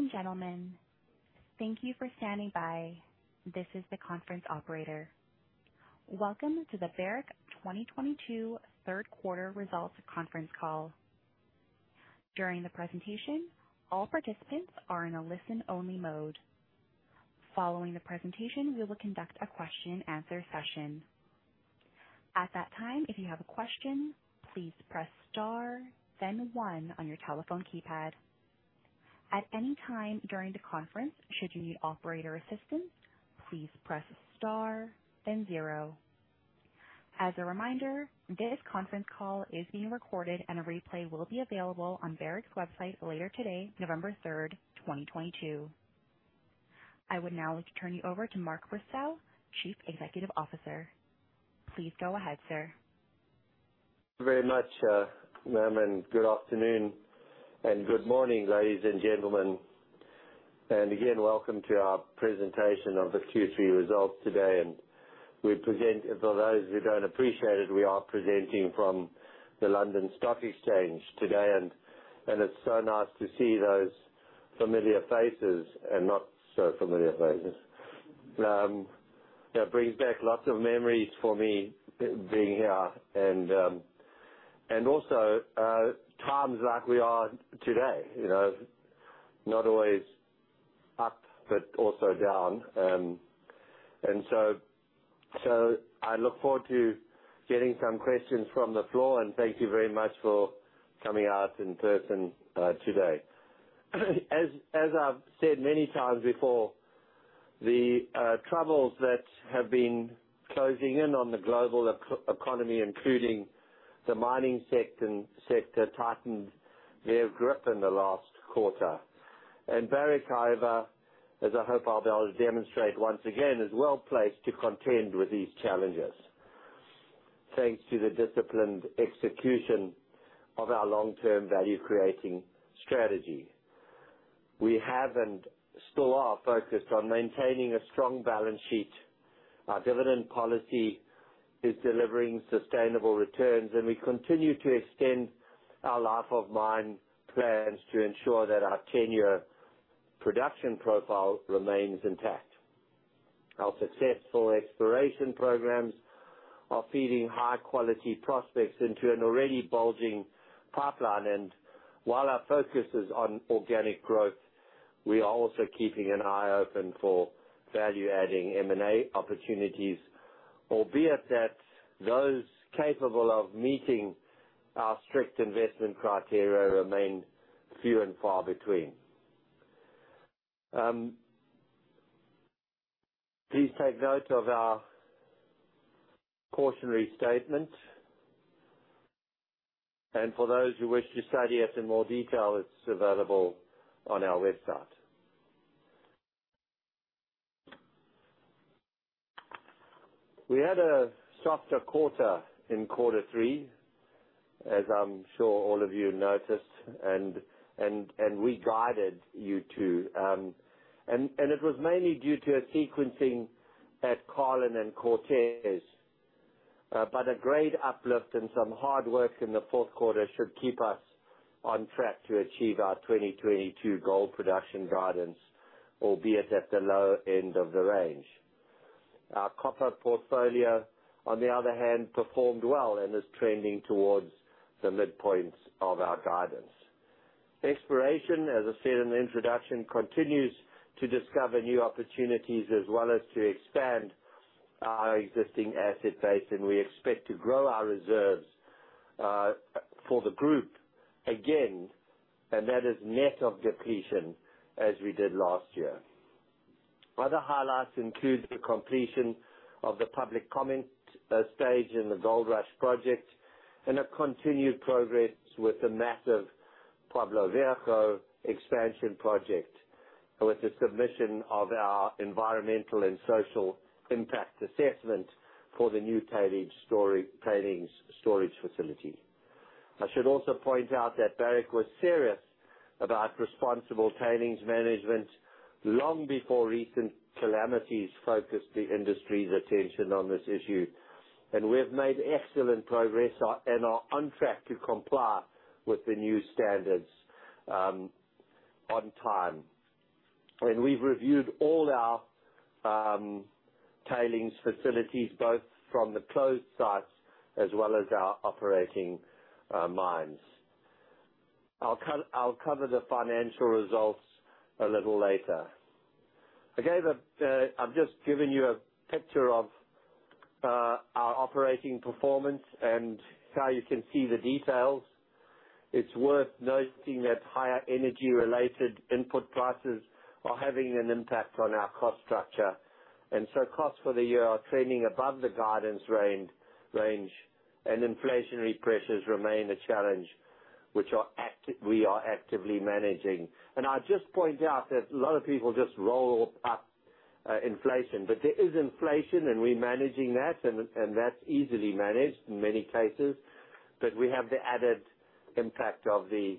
Ladies and gentlemen, thank you for standing by. This is the conference operator. Welcome to the Barrick 2022 Third Quarter Results Conference Call. During the presentation, all participants are in a listen-only mode. Following the presentation, we will conduct a question-and-answer session. At that time, if you have a question, please press star then one on your telephone keypad. At any time during the conference, should you need operator assistance, please press star then zero. As a reminder, today's conference call is being recorded and a replay will be available on Barrick's website later today, November 3, 2022. I would now like to turn you over to Mark Bristow, Chief Executive Officer. Please go ahead, sir. Very much, ma'am, and good afternoon and good morning, ladies and gentlemen. Again, welcome to our presentation of the Q3 results today. For those who don't appreciate it, we are presenting from the London Stock Exchange today, and it's so nice to see those familiar faces and not so familiar faces. That brings back lots of memories for me being here and also times like we are today, you know, not always up, but also down. I look forward to getting some questions from the floor, and thank you very much for coming out in person today. As I've said many times before, the troubles that have been closing in on the global economy, including the mining sector, tightened their grip in the last quarter. Barrick however, as I hope I'll be able to demonstrate once again, is well placed to contend with these challenges thanks to the disciplined execution of our long-term value creating strategy. We have and still are focused on maintaining a strong balance sheet. Our dividend policy is delivering sustainable returns, and we continue to extend our life of mine plans to ensure that our 10-year production profile remains intact. Our successful exploration programs are feeding high quality prospects into an already bulging pipeline. While our focus is on organic growth, we are also keeping an eye open for value adding M&A opportunities, albeit that those capable of meeting our strict investment criteria remain few and far between. Please take note of our cautionary statement, and for those who wish to study it in more detail, it's available on our website. We had a softer quarter in quarter three, as I'm sure all of you noticed, and we guided you to. It was mainly due to a sequencing at Carlin and Cortez, but a grade uplift and some hard work in the fourth quarter should keep us on track to achieve our 2022 gold production guidance, albeit at the low end of the range. Our copper portfolio, on the other hand, performed well and is trending towards the midpoint of our guidance. Exploration, as I said in the introduction, continues to discover new opportunities as well as to expand our existing asset base, and we expect to grow our reserves for the group again, and that is net of depletion as we did last year. Other highlights include the completion of the public comment stage in the Goldrush project and a continued progress with the massive Pueblo Viejo expansion project, with the submission of our environmental and social impact assessment for the new tailing's storage facility. I should also point out that Barrick was serious about responsible tailings management long before recent calamities focused the industry's attention on this issue, and we have made excellent progress and are on track to comply with the new standards on time. We've reviewed all our tailings facilities, both from the closed sites as well as our operating mines. I'll cover the financial results a little later. Again, I've just given you a picture of our operating performance and how you can see the details. It's worth noting that higher energy related input prices are having an impact on our cost structure, and so costs for the year are trending above the guidance range, and inflationary pressures remain a challenge which we are actively managing. I just point out that a lot of people just roll up inflation. But there is inflation, and we're managing that, and that's easily managed in many cases. But we have the added impact of the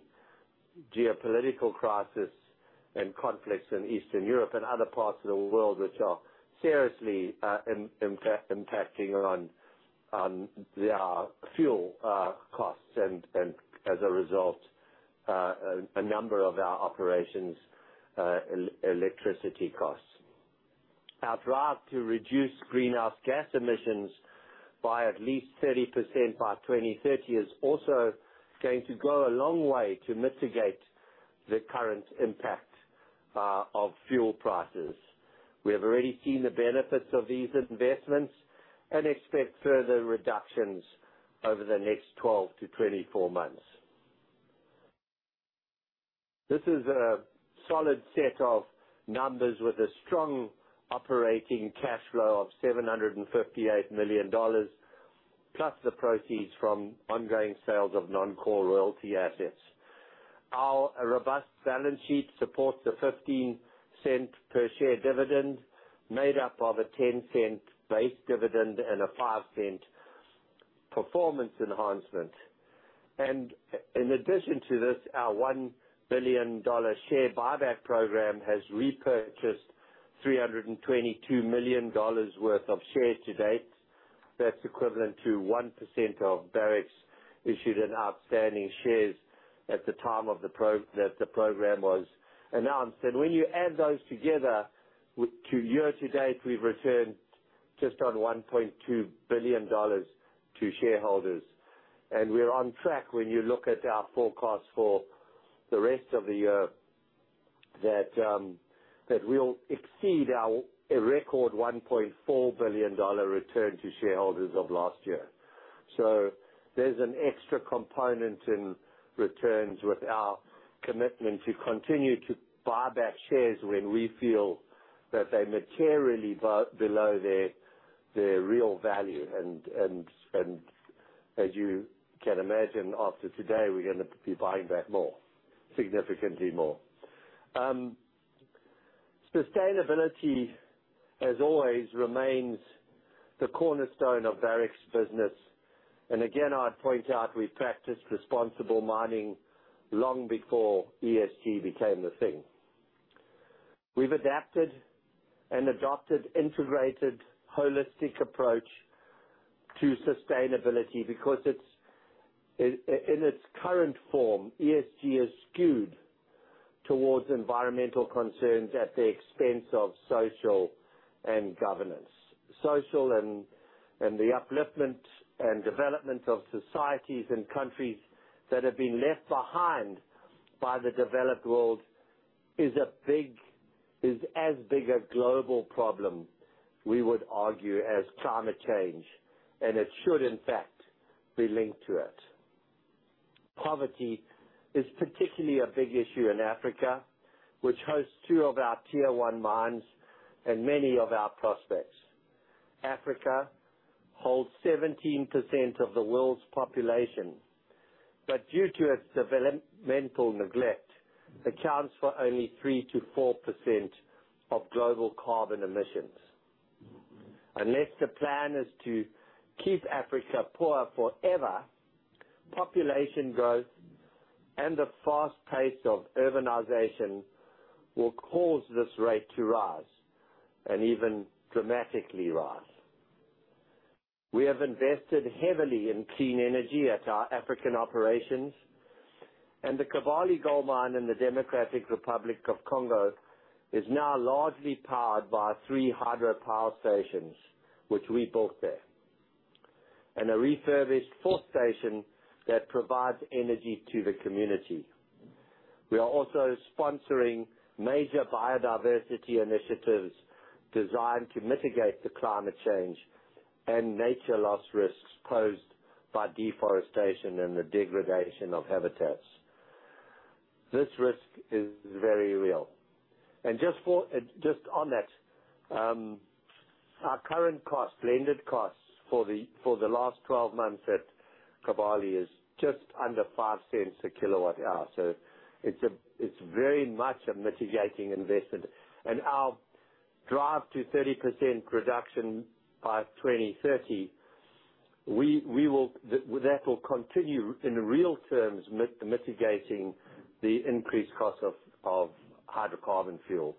geopolitical crisis and conflicts in Eastern Europe and other parts of the world which are seriously impacting. There are fuel costs and, as a result, a number of our operations electricity costs. Our drive to reduce greenhouse gas emissions by at least 30% by 2030 is also going to go a long way to mitigate the current impact of fuel prices. We have already seen the benefits of these investments and expect further reductions over the next 12-24 months. This is a solid set of numbers with a strong operating cash flow of $758 million, plus the proceeds from ongoing sales of non-core royalty assets. Our robust balance sheet supports the 15-cent per share dividend made up of a 10-cent base dividend and a 5-cent performance enhancement. In addition to this, our $1 billion share buyback program has repurchased $322 million worth of shares to date. That's equivalent to 1% of Barrick's issued and outstanding shares at the time that the program was announced. When you add those together with year to date, we've returned just on $1.2 billion to shareholders. We're on track when you look at our forecast for the rest of the year, that we'll exceed a record $1.4 billion return to shareholders of last year. There's an extra component in returns with our commitment to continue to buy back shares when we feel that they materially below their real value. As you can imagine, after today, we're gonna be buying back more, significantly more. Sustainability, as always, remains the cornerstone of Barrick's business. Again, I'd point out we practiced responsible mining long before ESG became the thing. We've adapted and adopted integrated holistic approach to sustainability because it's in its current form, ESG is skewed towards environmental concerns at the expense of social and governance. Social and the upliftment and development of societies and countries that have been left behind by the developed world is as big a global problem, we would argue, as climate change, and it should, in fact, be linked to it. Poverty is particularly a big issue in Africa, which hosts two of our Tier One mines and many of our prospects. Africa holds 17% of the world's population, but due to its developmental neglect, accounts for only 3%-4% of global carbon emissions. Unless the plan is to keep Africa poor forever, population growth and the fast pace of urbanization will cause this rate to rise and even dramatically rise. We have invested heavily in clean energy at our African operations, and the Kibali Gold Mine in the Democratic Republic of Congo is now largely powered by three hydropower stations which we built there, and a refurbished fourth station that provides energy to the community. We are also sponsoring major biodiversity initiatives designed to mitigate the climate change and nature loss risks posed by deforestation and the degradation of habitats. This risk is very real. Just on that, our current cost, blended costs for the last 12 months at Kibali is just under $0.05/kWh. It's very much a mitigating investment. Our drive to 30% reduction by 2030, that will continue in real terms mitigating the increased cost of hydrocarbon fuel.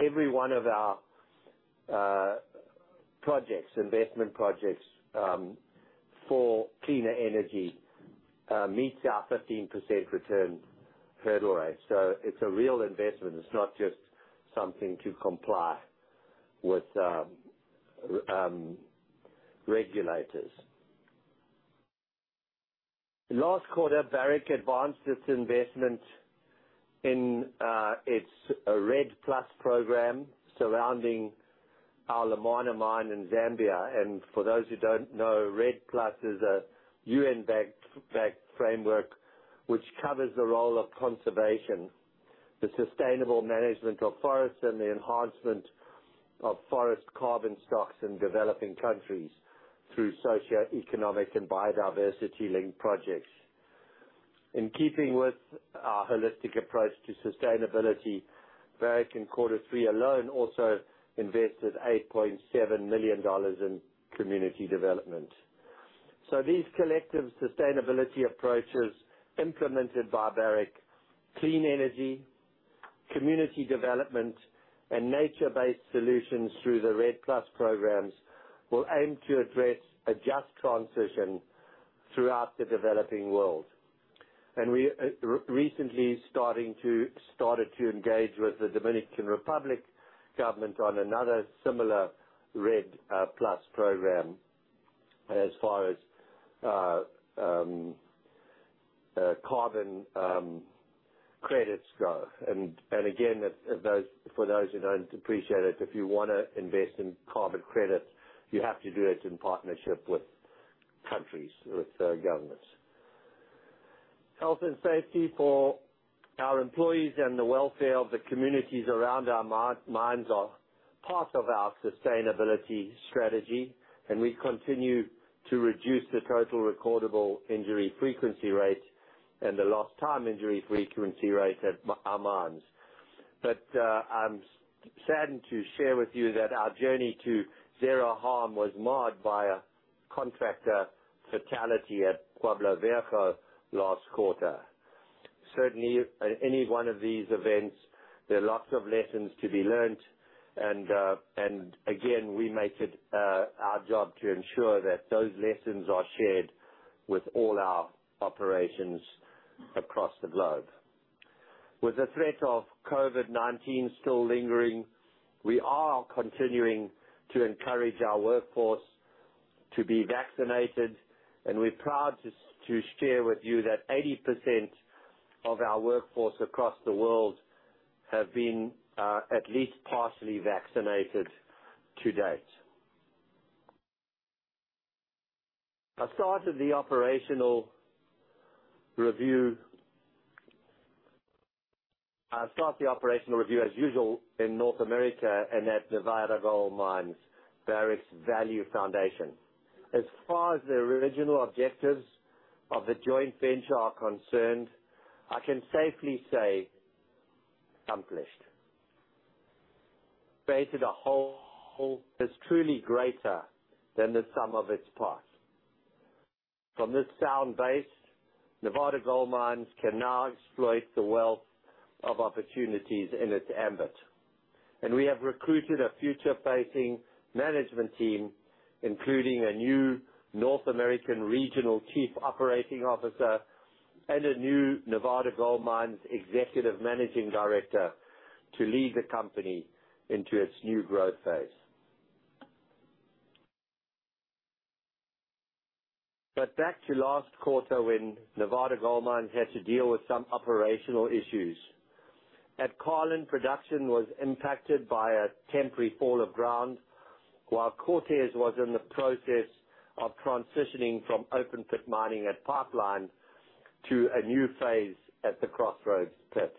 Every one of our projects, investment projects, for cleaner energy, meets our 15% return hurdle rate. It's a real investment. It's not just something to comply with regulators. Last quarter, Barrick advanced its investment in its REDD+ program surrounding our Lumwana mine in Zambia. For those who don't know, REDD+ is an UN-backed framework which covers the role of conservation, the sustainable management of forests, and the enhancement of forest carbon stocks in developing countries through socioeconomic and biodiversity-linked projects. In keeping with our holistic approach to sustainability, Barrick in quarter three alone also invested $8.7 million in community development. These collective sustainability approaches implemented by Barrick, clean energy, community development, and nature-based solutions through the REDD+ programs, will aim to address a just transition throughout the developing world. We recently started to engage with the Dominican Republic government on another similar REDD+ program as far as carbon credits go. Again, for those who don't appreciate it, if you wanna invest in carbon credits, you have to do it in partnership with countries, with governments. Health and safety for our employees and the welfare of the communities around our mines are part of our sustainability strategy, and we continue to reduce the total recordable injury frequency rate and the lost time injury frequency rate at our mines. I'm saddened to share with you that our journey to zero harm was marred by a contractor fatality at Pueblo Viejo last quarter. Certainly, in any one of these events, there are lots of lessons to be learned and again, we make it our job to ensure that those lessons are shared with all our operations across the globe. With the threat of COVID-19 still lingering, we are continuing to encourage our workforce to be vaccinated, and we're proud to share with you that 80% of our workforce across the world have been at least partially vaccinated to date. I've started the operational review. I'll start the operational review as usual in North America and at Nevada Gold Mines, Barrick's value foundation. As far as the original objectives of the joint venture are concerned, I can safely say accomplished. Created a whole that's truly greater than the sum of its parts. From this sound base, Nevada Gold Mines can now exploit the wealth of opportunities in its ambit. We have recruited a future-facing management team, including a new North American regional chief operating officer and a new Nevada Gold Mines executive managing director to lead the company into its new growth phase. Back to last quarter, when Nevada Gold Mines had to deal with some operational issues. At Carlin, production was impacted by a temporary fall of ground, while Cortez was in the process of transitioning from open pit mining at Pipeline to a new phase at the Crossroads pit.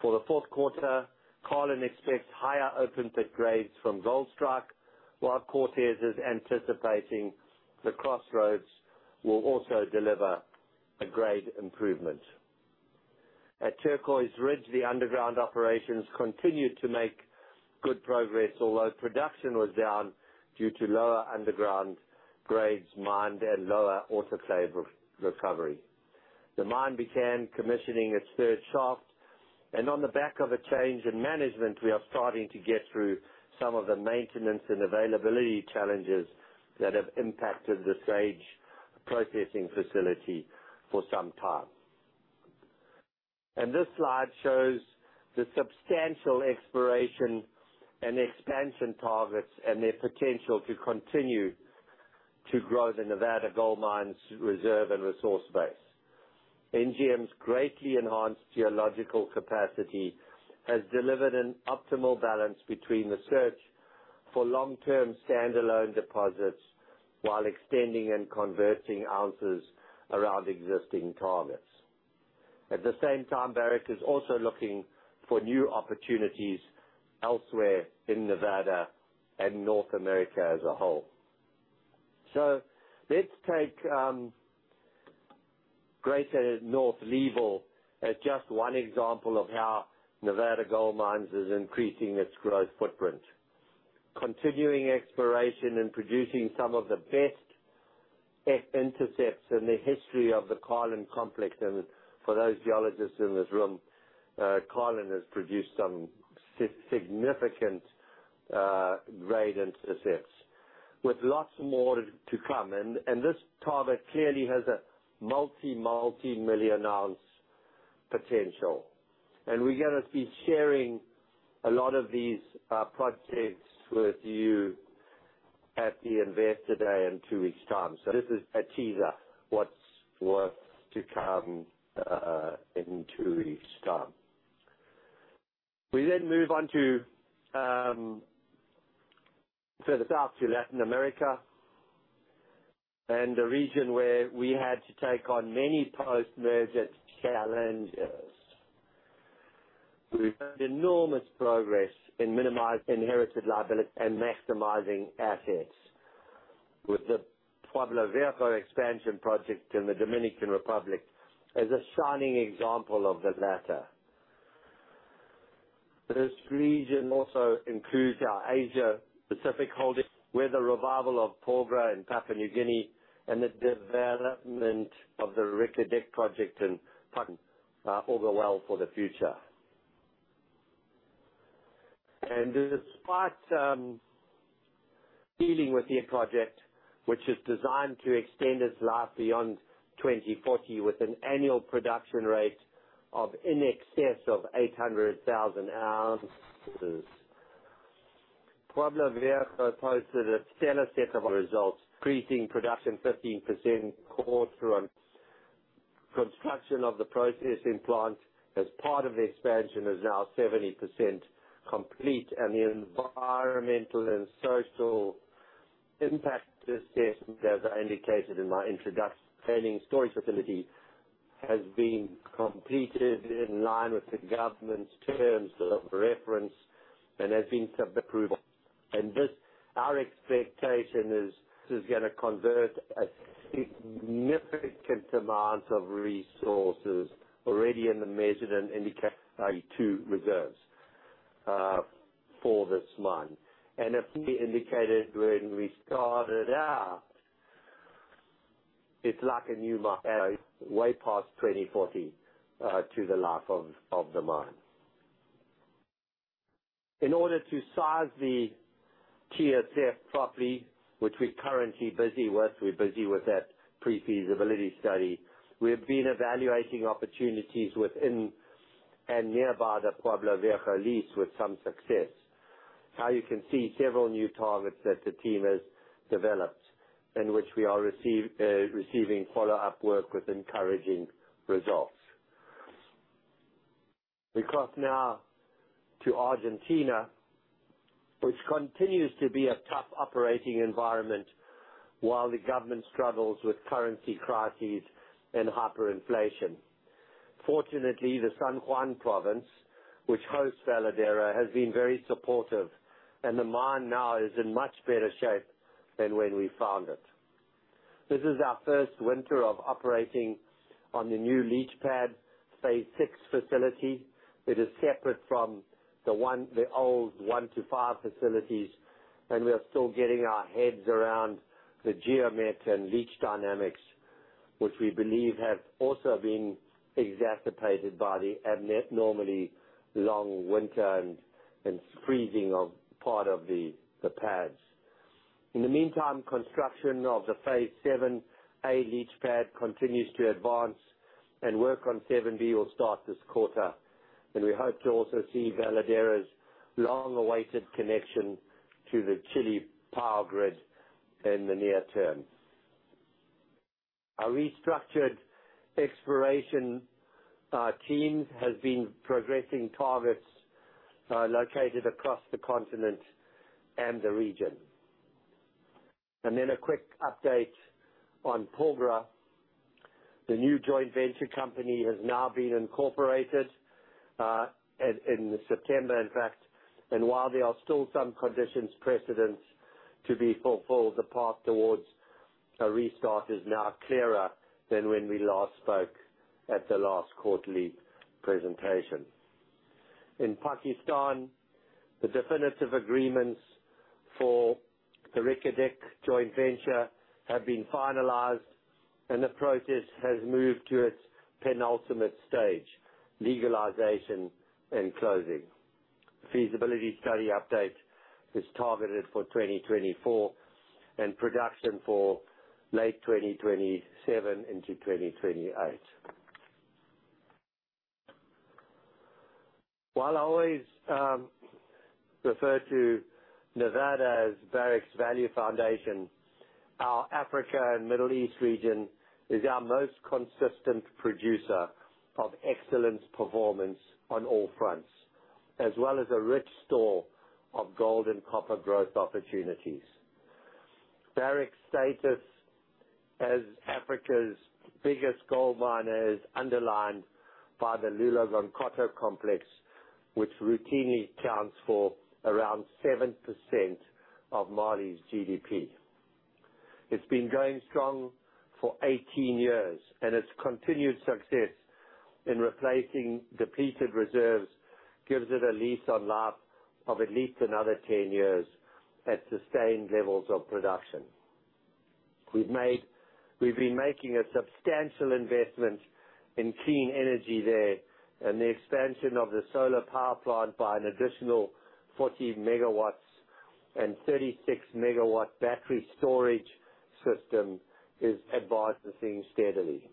For the fourth quarter, Carlin expects higher open pit grades from Goldstrike, while Cortez is anticipating the Crossroads will also deliver a grade improvement. At Turquoise Ridge, the underground operations continued to make good progress, although production was down due to lower underground grades mined and lower autoclave re-recovery. The mine began commissioning its third shaft, and on the back of a change in management, we are starting to get through some of the maintenance and availability challenges that have impacted the stage processing facility for some time. This slide shows the substantial exploration and expansion targets and their potential to continue to grow the Nevada Gold Mines reserve and resource base. NGM's greatly enhanced geological capacity has delivered an optimal balance between the search for long-term standalone deposits while extending and converting ounces around existing targets. At the same time, Barrick is also looking for new opportunities elsewhere in Nevada and North America as a whole. Let's take Greater North Leeville as just one example of how Nevada Gold Mines is increasing its growth footprint. Continuing exploration and producing some of the best intercepts in the history of the Carlin Complex, and for those geologists in this room, Carlin has produced some significant grade intercepts, with lots more to come. This target clearly has a multi-million ounce potential. We're gonna be sharing a lot of these projects with you at the Investor Day in two weeks' time. This is a teaser, what's to come, in two weeks' time. We move on to further south to Latin America and a region where we had to take on many post-merger challenges. We've made enormous progress in minimizing inherited liability and maximizing assets, with the Pueblo Viejo expansion project in the Dominican Republic as a shining example of the latter. This region also includes our Asia Pacific holding, where the revival of Porgera in Papua New Guinea and the development of the Reko Diq project in Pakistan augur well for the future. Despite dealing with the project, which is designed to extend its life beyond 2040, with an annual production rate of in excess of 800,000 ounces. Pueblo Viejo posted a stellar set of results, increasing production 15% quarter on. Construction of the processing plant as part of the expansion is now 70% complete and the environmental and social impact assessment, as I indicated in my introduction, tailings storage facility has been completed in line with the government's terms of reference and has been approved. This, our expectation is, this is gonna convert a significant amount of resources already in the measured and indicated stage two reserves for this month. As we indicated when we started out, it's like a new mine, way past 2040, to the life of the mine. In order to size the TSF properly, which we're currently busy with, that pre-feasibility study. We've been evaluating opportunities within and nearby the Pueblo Viejo lease with some success. Now you can see several new targets that the team has developed and which we are receiving follow-up work with encouraging results. We cross now to Argentina, which continues to be a tough operating environment while the government struggles with currency crises and hyperinflation. Fortunately, the San Juan Province, which hosts Veladero, has been very supportive, and the mine now is in much better shape than when we found it. This is our first winter of operating on the new leach pad phase 6 facility. It is separate from the old 1-5 facilities, and we are still getting our heads around the geometry and leach dynamics, which we believe have also been exacerbated by the abnormally long winter and freezing of part of the pads. In the meantime, construction of the phase 7A leach pad continues to advance and work on 7B will start this quarter, and we hope to also see Veladero's long-awaited connection to the Chile power grid in the near term. Our restructured exploration team has been progressing targets located across the continent and the region. A quick update on Porgera. The new joint venture company has now been incorporated in September, in fact. While there are still some conditions precedents to be fulfilled, the path towards a restart is now clearer than when we last spoke at the last quarterly presentation. In Pakistan, the definitive agreements for the Reko Diq joint venture have been finalized, and the process has moved to its penultimate stage, legalization and closing. Feasibility study update is targeted for 2024 and production for late 2027 into 2028. While I always refer to Nevada as Barrick's value foundation, our Africa and Middle East region is our most consistent producer of excellent performance on all fronts, as well as a rich store of gold and copper growth opportunities. Barrick's status as Africa's biggest gold miner is underlined by the Loulo-Gounkoto complex, which routinely accounts for around 7% of Mali's GDP. It's been going strong for 18 years, and its continued success in replacing depleted reserves gives it a lease on life of at least another 10 years at sustained levels of production. We've been making a substantial investment in clean energy there, and the expansion of the solar power plant by an additional 40 megawatts and 36-megawatt battery storage system is advancing steadily.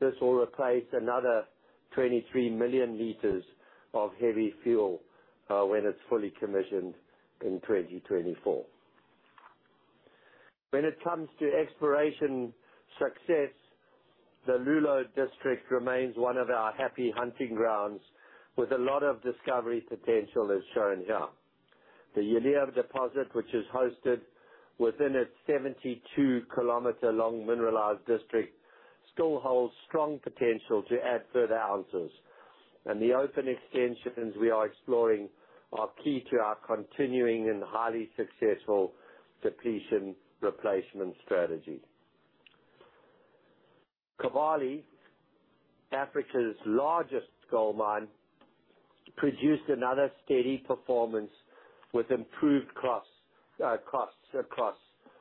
This will replace another 23 million liters of heavy fuel when it's fully commissioned in 2024. When it comes to exploration success, the Loulo district remains one of our happy hunting grounds with a lot of discovery potential, as shown here. The Yalea deposit, which is hosted within a 72-kilometer long mineralized district, still holds strong potential to add further ounces, and the open extensions we are exploring are key to our continuing and highly successful depletion replacement strategy. Kibali, Africa's largest gold mine, produced another steady performance with improved costs across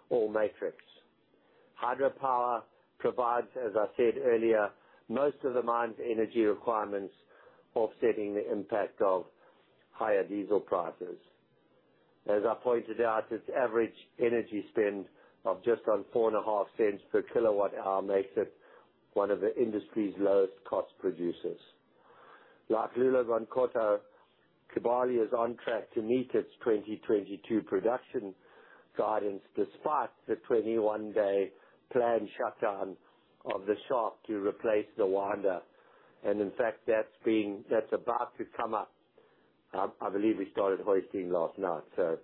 all metrics. Hydropower provides, as I said earlier, most of the mine's energy requirements, offsetting the impact of higher diesel prices. As I pointed out, its average energy spend of just under $0.045/kWh makes it one of the industry's lowest cost producers. Like Loulo-Gounkoto, Kibali is on track to meet its 2022 production guidance despite the 21-day planned shutdown of the shaft to replace the winder. In fact, that's about to come up. I believe we started hoisting last night, so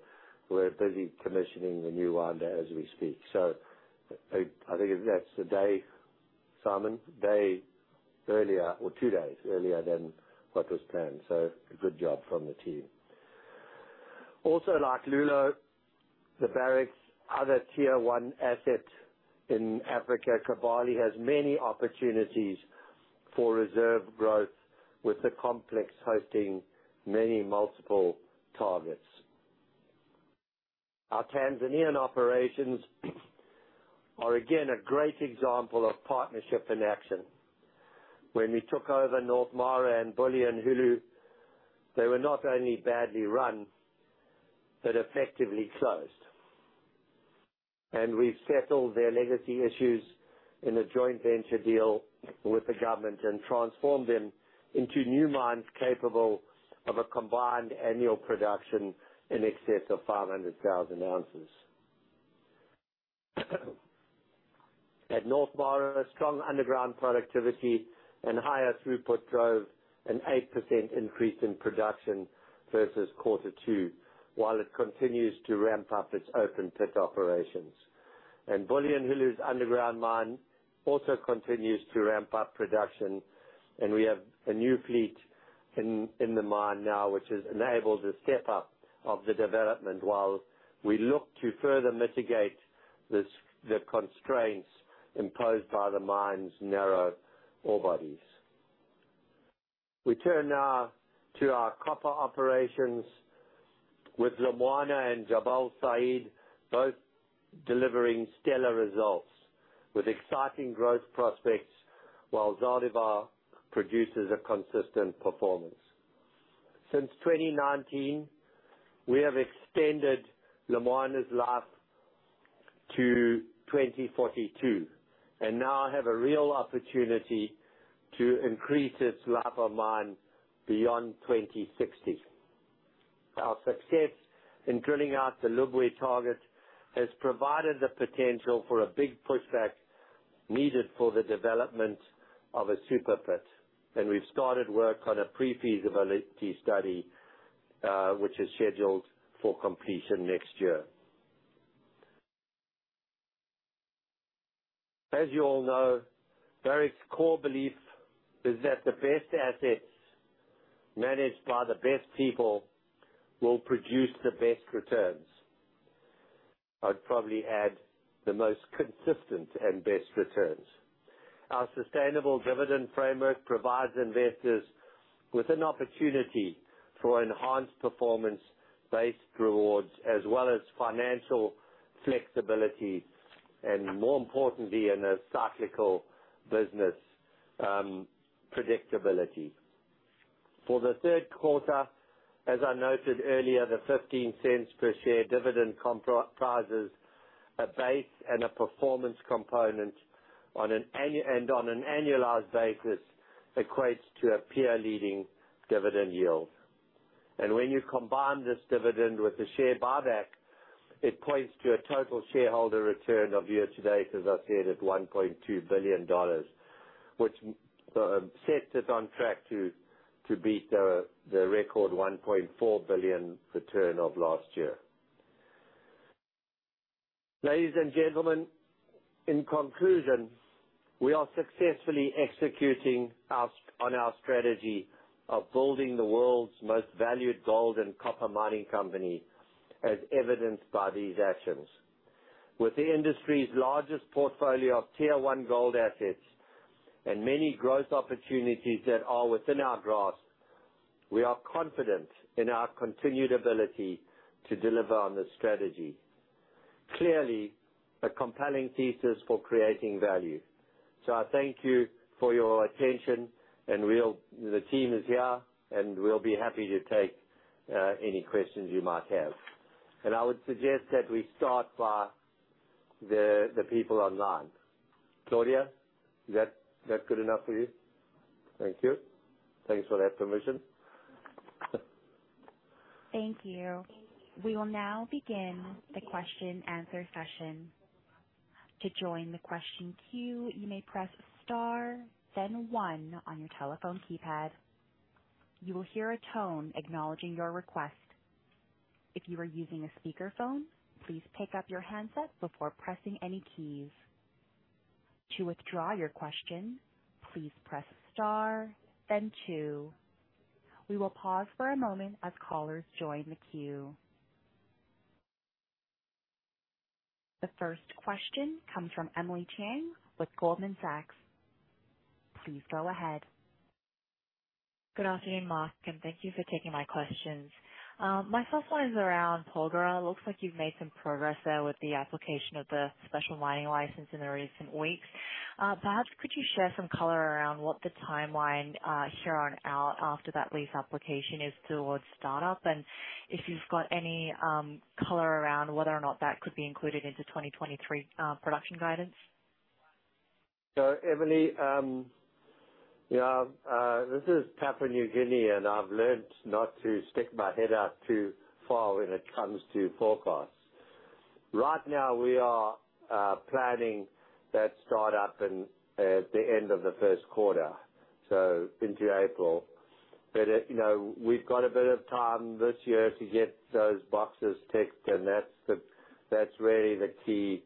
we're busy commissioning the new winder as we speak. I think that's a day, Simon? A day earlier or two days earlier than what was planned. A good job from the team. Like Loulo, Barrick's other Tier One asset in Africa, Kibali has many opportunities for reserve growth, with the complex hosting many multiple targets. Our Tanzanian operations are, again, a great example of partnership in action. When we took over North Mara and Bulyanhulu, they were not only badly run, but effectively closed. We've settled their legacy issues in a joint venture deal with the government and transformed them into new mines capable of a combined annual production in excess of 500,000 ounces. At North Mara, strong underground productivity and higher throughput drove an 8% increase in production versus quarter two, while it continues to ramp up its open pit operations. Bulyanhulu's underground mine also continues to ramp up production, and we have a new fleet in the mine now, which has enabled a step up of the development while we look to further mitigate the constraints imposed by the mine's narrow ore bodies. We turn now to our copper operations with Lumwana and Jabal Sayid both delivering stellar results with exciting growth prospects while Zaldivar produces a consistent performance. Since 2019, we have extended Lumwana's life to 2042 and now have a real opportunity to increase its life of mine beyond 2060. Our success in drilling out the Lubwe target has provided the potential for a big pushback needed for the development of a super pit, and we've started work on a pre-feasibility study, which is scheduled for completion next year. As you all know, Barrick's core belief is that the best assets managed by the best people will produce the best returns. I'd probably add the most consistent and best returns. Our sustainable dividend framework provides investors with an opportunity for enhanced performance-based rewards as well as financial flexibility, and more importantly, in a cyclical business, predictability. For the third quarter, as I noted earlier, the $0.15 per share dividend comprises a base and a performance component and on an annualized basis equates to a peer-leading dividend yield. When you combine this dividend with the share buyback, it points to a total shareholder return year-to-date, as I said, at $1.2 billion, which sets us on track to beat the record $1.4 billion return of last year. Ladies and gentlemen, in conclusion, we are successfully executing our strategy of building the world's most valued gold and copper mining company, as evidenced by these actions. With the industry's largest portfolio of Tier One gold assets and many growth opportunities that are within our grasp, we are confident in our continued ability to deliver on this strategy. Clearly, a compelling thesis for creating value. I thank you for your attention, and the team is here, and we will be happy to take any questions you might have. I would suggest that we start by the people online. Claudia, is that good enough for you? Thank you. Thanks for that permission. Thank you. We will now begin the question-and-answer session. To join the question queue, you may press star then one on your telephone keypad. You will hear a tone acknowledging your request. If you are using a speakerphone, please pick up your handset before pressing any keys. To withdraw your question, please press star then two. We will pause for a moment as callers join the queue. The first question comes from Emily Chieng with Goldman Sachs. Please go ahead. Good afternoon, Mark, and thank you for taking my questions. My first one is around Porgera. Looks like you've made some progress there with the application of the special mining license in the recent weeks. Perhaps could you share some color around what the timeline here on out after that lease application is towards startup? If you've got any color around whether or not that could be included into 2023 production guidance. Emily, this is Papua New Guinea, and I've learned not to stick my head out too far when it comes to forecasts. Right now, we are planning that start up in at the end of the first quarter, so into April. You know, we've got a bit of time this year to get those boxes ticked, and that's really the key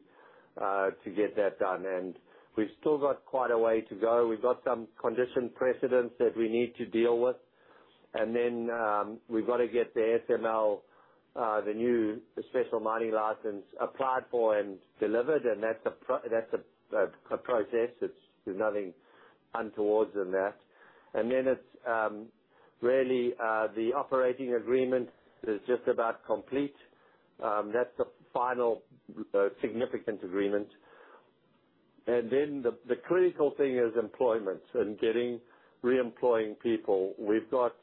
to get that done. We've still got quite a way to go. We've got some conditions precedent that we need to deal with. We've got to get the SML, the new special mining license applied for and delivered, and that's a process. There's nothing untoward in that. It's really the operating agreement is just about complete. That's the final significant agreement. The critical thing is employment and getting reemploying people. We've got,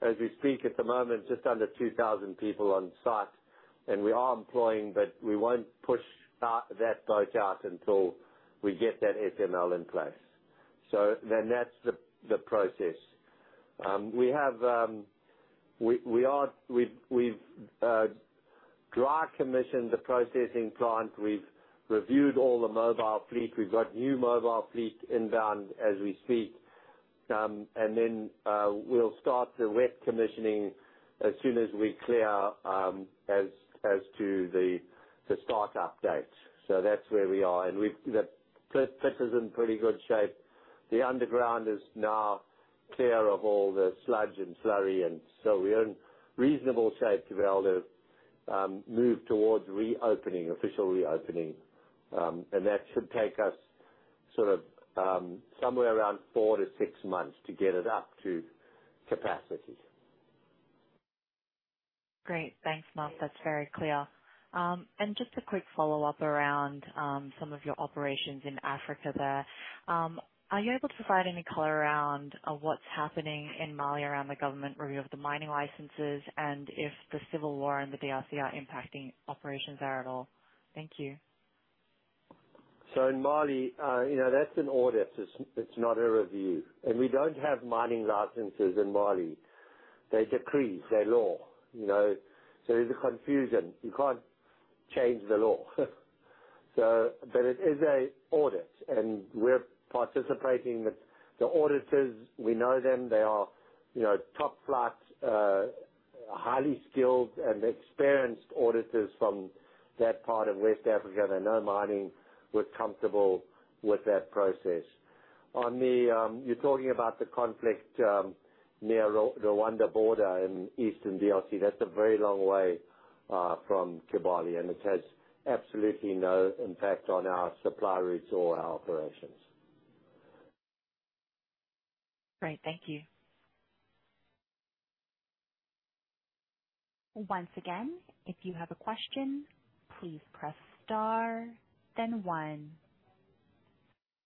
as we speak at the moment, just under 2,000 people on site, and we are employing, but we won't push the boat out until we get that SML in place. That's the process. We've dry commissioned the processing plant. We've reviewed all the mobile fleet. We've got new mobile fleet inbound as we speak. We'll start the wet commissioning as soon as we clear as to the start-up date. That's where we are. The pit is in pretty good shape. The underground is now clear of all the sludge and slurry, and so we're in reasonable shape to be able to move towards official reopening. That should take us sort of somewhere around 4-6 months to get it up to capacity. Great. Thanks, Mark. That's very clear. Just a quick follow-up around some of your operations in Africa there. Are you able to provide any color around what's happening in Mali around the government review of the mining licenses, and if the civil war and the DRC are impacting operations there at all? Thank you. In Mali, you know, that's an audit. It's not a review. We don't have mining licenses in Mali. They're decrees. They're law, you know. There's a confusion. You can't change the law. But it is an audit, and we're participating with the auditors. We know them. They are, you know, top flight, highly skilled and experienced auditors from that part of West Africa. They know mining. We're comfortable with that process. You're talking about the conflict near Rwanda border in eastern DRC. That's a very long way from Kibali, and it has absolutely no impact on our supply routes or our operations. Great. Thank you. Once again, if you have a question, please press star then one.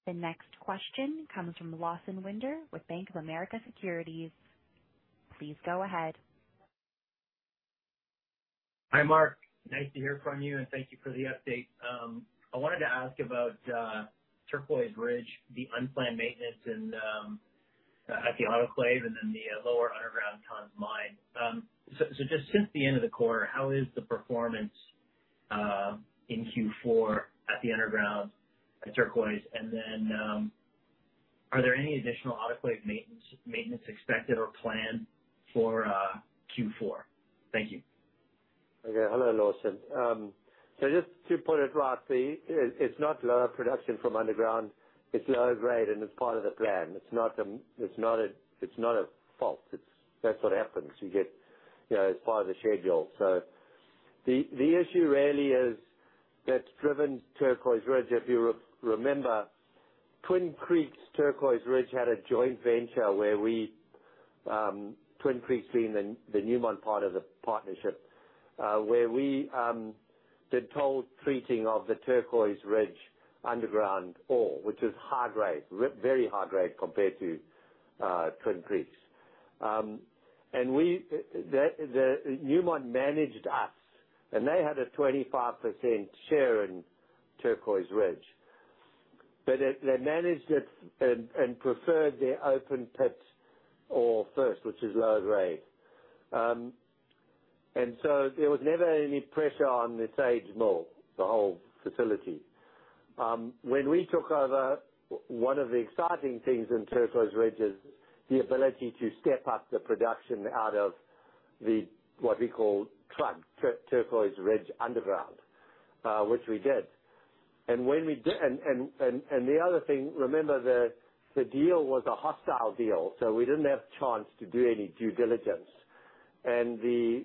The next question comes from Lawson Winder with Bank of America Securities. Please go ahead. Hi, Mark. Nice to hear from you, and thank you for the update. I wanted to ask about Turquoise Ridge, the unplanned maintenance at the autoclave and then the lower underground tons mine. So just since the end of the quarter, how is the performance in Q4 at the underground at Turquoise? And then, are there any additional autoclave maintenance expected or planned for Q4? Thank you. Okay. Hello, Lawson. Just to put it rightly, it's not lower production from underground, it's lower grade, and it's part of the plan. It's not a fault. It's what happens. You get, you know, it's part of the schedule. The issue really is that's driven Turquoise Ridge. If you remember, Twin Creeks Turquoise Ridge had a joint venture where we, Twin Creeks being the Newmont part of the partnership, where we did toll treating of the Turquoise Ridge underground ore, which is high grade, very high grade compared to Twin Creeks. And we, the Newmont managed us, and they had a 25% share in Turquoise Ridge. They managed it and preferred the open pit ore first, which is low grade. There was never any pressure on the SAG mill, the whole facility. When we took over, one of the exciting things in Turquoise Ridge is the ability to step up the production out of what we call TRUG, Turquoise Ridge Underground, which we did. And the other thing, remember the deal was a hostile deal, so we didn't have chance to do any due diligence. The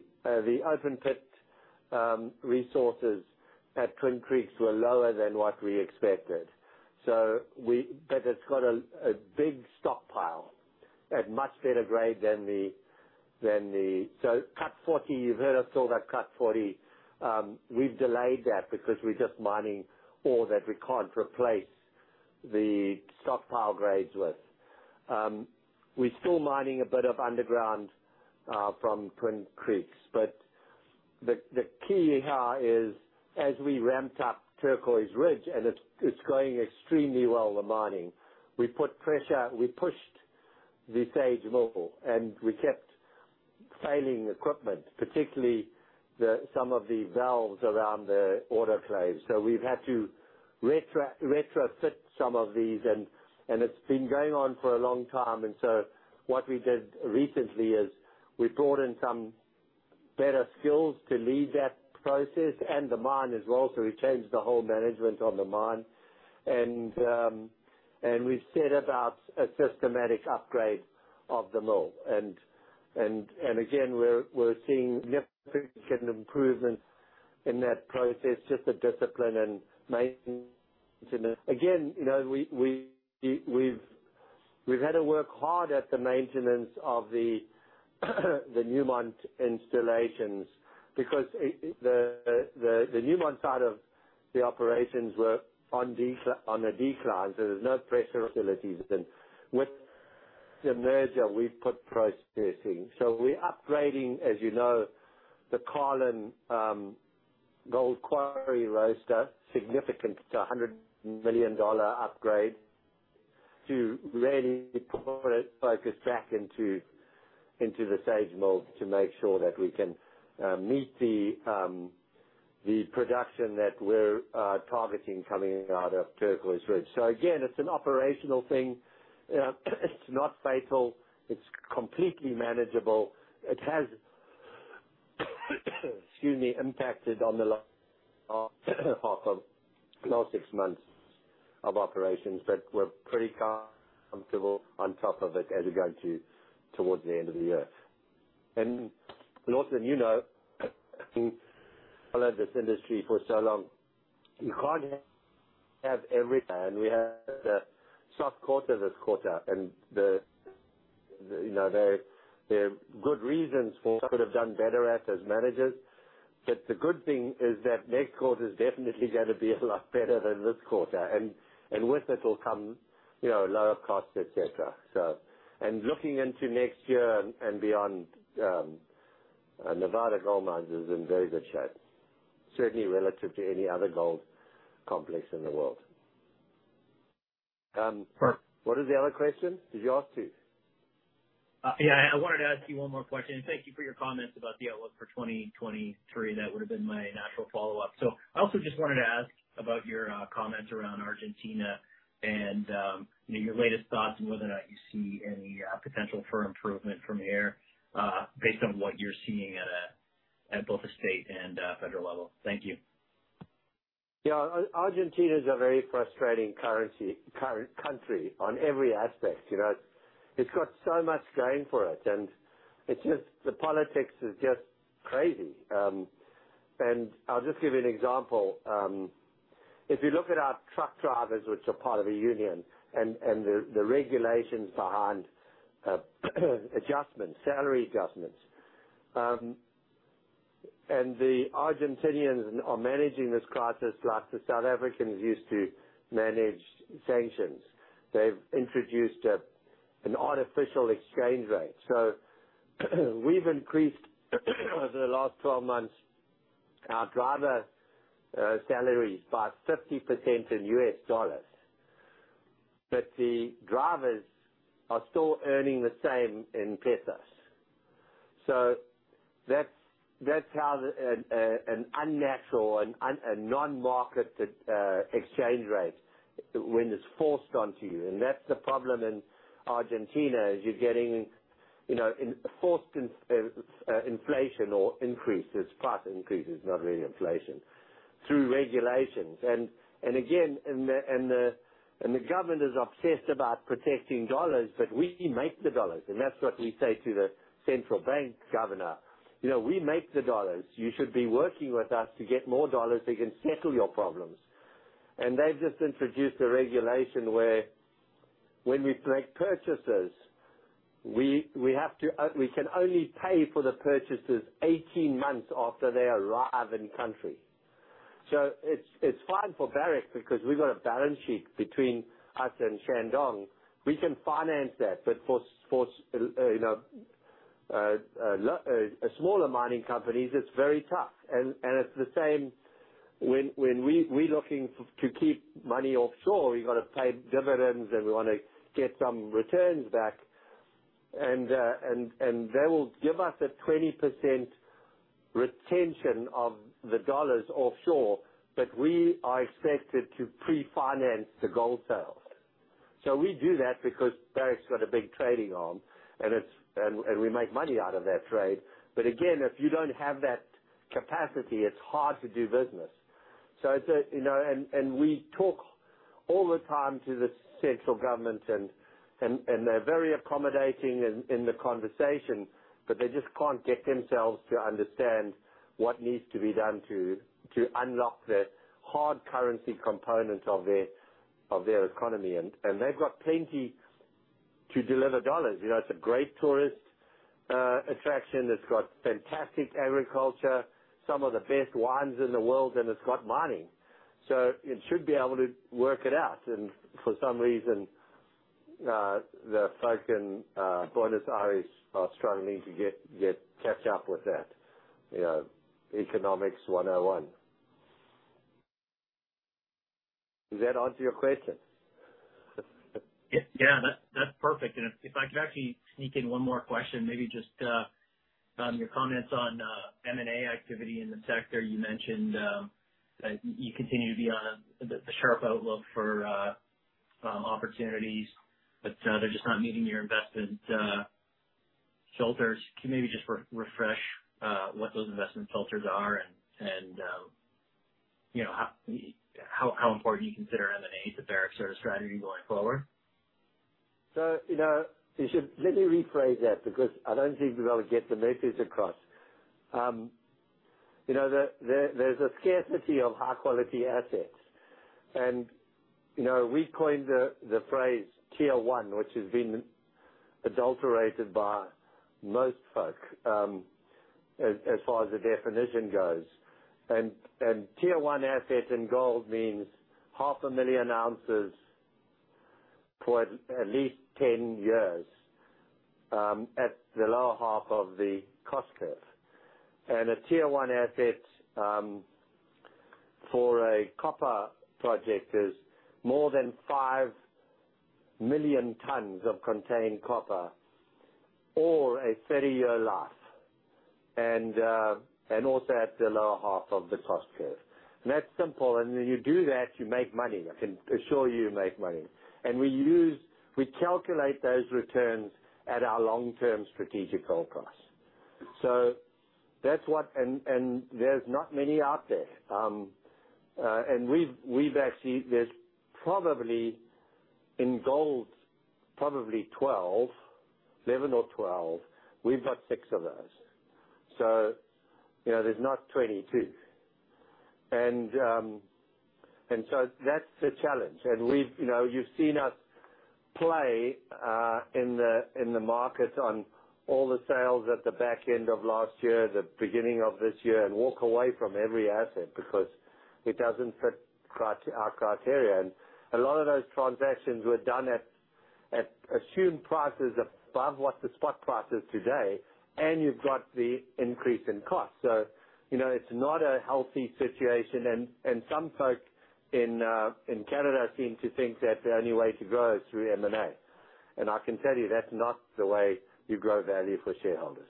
open pit resources at Twin Creeks were lower than what we expected. But it's got a big stockpile at much better grade than the. Cut 40, you've heard us call that Cut 40, we've delayed that because we're just mining ore that we can't replace the stockpile grades with. We're still mining a bit of underground from Twin Creeks. The key here is as we ramped up Turquoise Ridge, and it's going extremely well, the mining, we pushed the SAG mill, and we kept failing equipment, particularly some of the valves around the autoclave. We've had to retrofit some of these and it's been going on for a long time. What we did recently is we brought in some better skills to lead that process and the mine as well, so we changed the whole management on the mine. We've set about a systematic upgrade of the mill. Again, we're seeing significant improvement in that process, just the discipline and maintenance. Again, you know, we've had to work hard at the maintenance of the Newmont installations because the Newmont side of the operations were on a decline. There's no pressure on the facilities. With the merger, we've put processing. We're upgrading, as you know, the Carlin Gold Quarry Roaster, a significant $100 million upgrade to really pull the focus back into the SAG mill to make sure that we can meet the production that we're targeting coming out of Turquoise Ridge. Again, it's an operational thing. You know, it's not fatal. It's completely manageable. It has, excuse me, impacted on the last 6 months of operations, but we're pretty comfortable on top of it as we go towards the end of the year. Lawson, you know, followed this industry for so long. You can't have everything, and we had a soft quarter this quarter. The good reasons. Could have done better as managers. The good thing is that next quarter is definitely gonna be a lot better than this quarter. With it will come, you know, lower costs, et cetera. Looking into next year and beyond, Nevada Gold Mines is in very good shape, certainly relative to any other gold complex in the world. What is the other question? Did you ask two? I wanted to ask you one more question. Thank you for your comments about the outlook for 2023. That would have been my natural follow-up. I also just wanted to ask about your comments around Argentina and, you know, your latest thoughts on whether or not you see any potential for improvement from here, based on what you're seeing at both a state and a federal level. Thank you. Yeah. Argentina is a very frustrating country on every aspect, you know? It's got so much going for it, and it's just the politics is just crazy. I'll just give you an example. If you look at our truck drivers, which are part of a union, and the regulations behind adjustments, salary adjustments, and the Argentinians are managing this crisis like the South Africans used to manage sanctions. They've introduced an artificial exchange rate. We've increased over the last 12 months our driver salaries by 50% in US dollars, but the drivers are still earning the same in pesos. That's how an unnatural and non-market exchange rate when it's forced onto you. That's the problem in Argentina, is you're getting, you know, inflation or increases, price increases, not really inflation, through regulations. Again, the government is obsessed about protecting dollars, but we make the dollars, and that's what we say to the central bank governor. "You know, we make the dollars. You should be working with us to get more dollars that can settle your problems." They've just introduced a regulation where when we make purchases, we can only pay for the purchases 18 months after they arrive in country. It's fine for Barrick because we've got a balance sheet between us and Shandong. We can finance that, but for you know smaller mining companies, it's very tough. It's the same when we're looking to keep money offshore. We've gotta pay dividends, and we wanna get some returns back. They will give us a 20% retention of the dollars offshore, but we are expected to pre-finance the gold sales. We do that because Barrick's got a big trading arm and we make money out of that trade. Again, if you don't have that capacity, it's hard to do business. It's a, you know, we talk all the time to the central government and they're very accommodating in the conversation, but they just can't get themselves to understand what needs to be done to unlock the hard currency component of their economy. They've got plenty to deliver dollars. You know, it's a great tourist attraction. It's got fantastic agriculture, some of the best wines in the world, and it's got mining. It should be able to work it out. For some reason, the folk in Buenos Aires are struggling to catch up with that. You know, Economics 101. Is that onto your question? Yeah. That's perfect. If I could actually sneak in one more question, maybe just on your comments on M&A activity in the sector. You mentioned that you continue to be on the sharp lookout for opportunities, but they're just not meeting your investment filters. Can you maybe just refresh what those investment filters are and, you know, how important do you consider M&A to Barrick's sort of strategy going forward? You know, let me rephrase that because I don't think we're gonna get the message across. You know, there's a scarcity of high quality assets. You know, we coined the phrase Tier One, which has been adulterated by most folk as far as the definition goes. Tier One asset in gold means 500,000 ounces for at least 10 years at the lower half of the cost curve. A Tier One asset for a copper project is more than 5 million tons of contained copper or a 30-year life and also at the lower half of the cost curve. That's simple. When you do that, you make money. I can assure you make money. We calculate those returns at our long-term strategic gold price. That's what. There's not many out there. There's probably 11 or 12 in gold. We've got 6 of those. You know, there's not 22. That's the challenge. You know, you've seen us play in the market on all the sales at the back end of last year, the beginning of this year and walk away from every asset because it doesn't fit our criteria. A lot of those transactions were done at assumed prices above what the spot price is today, and you've got the increase in cost. You know, it's not a healthy situation. Some folk in Canada seem to think that the only way to grow is through M&A. I can tell you that's not the way you grow value for shareholders.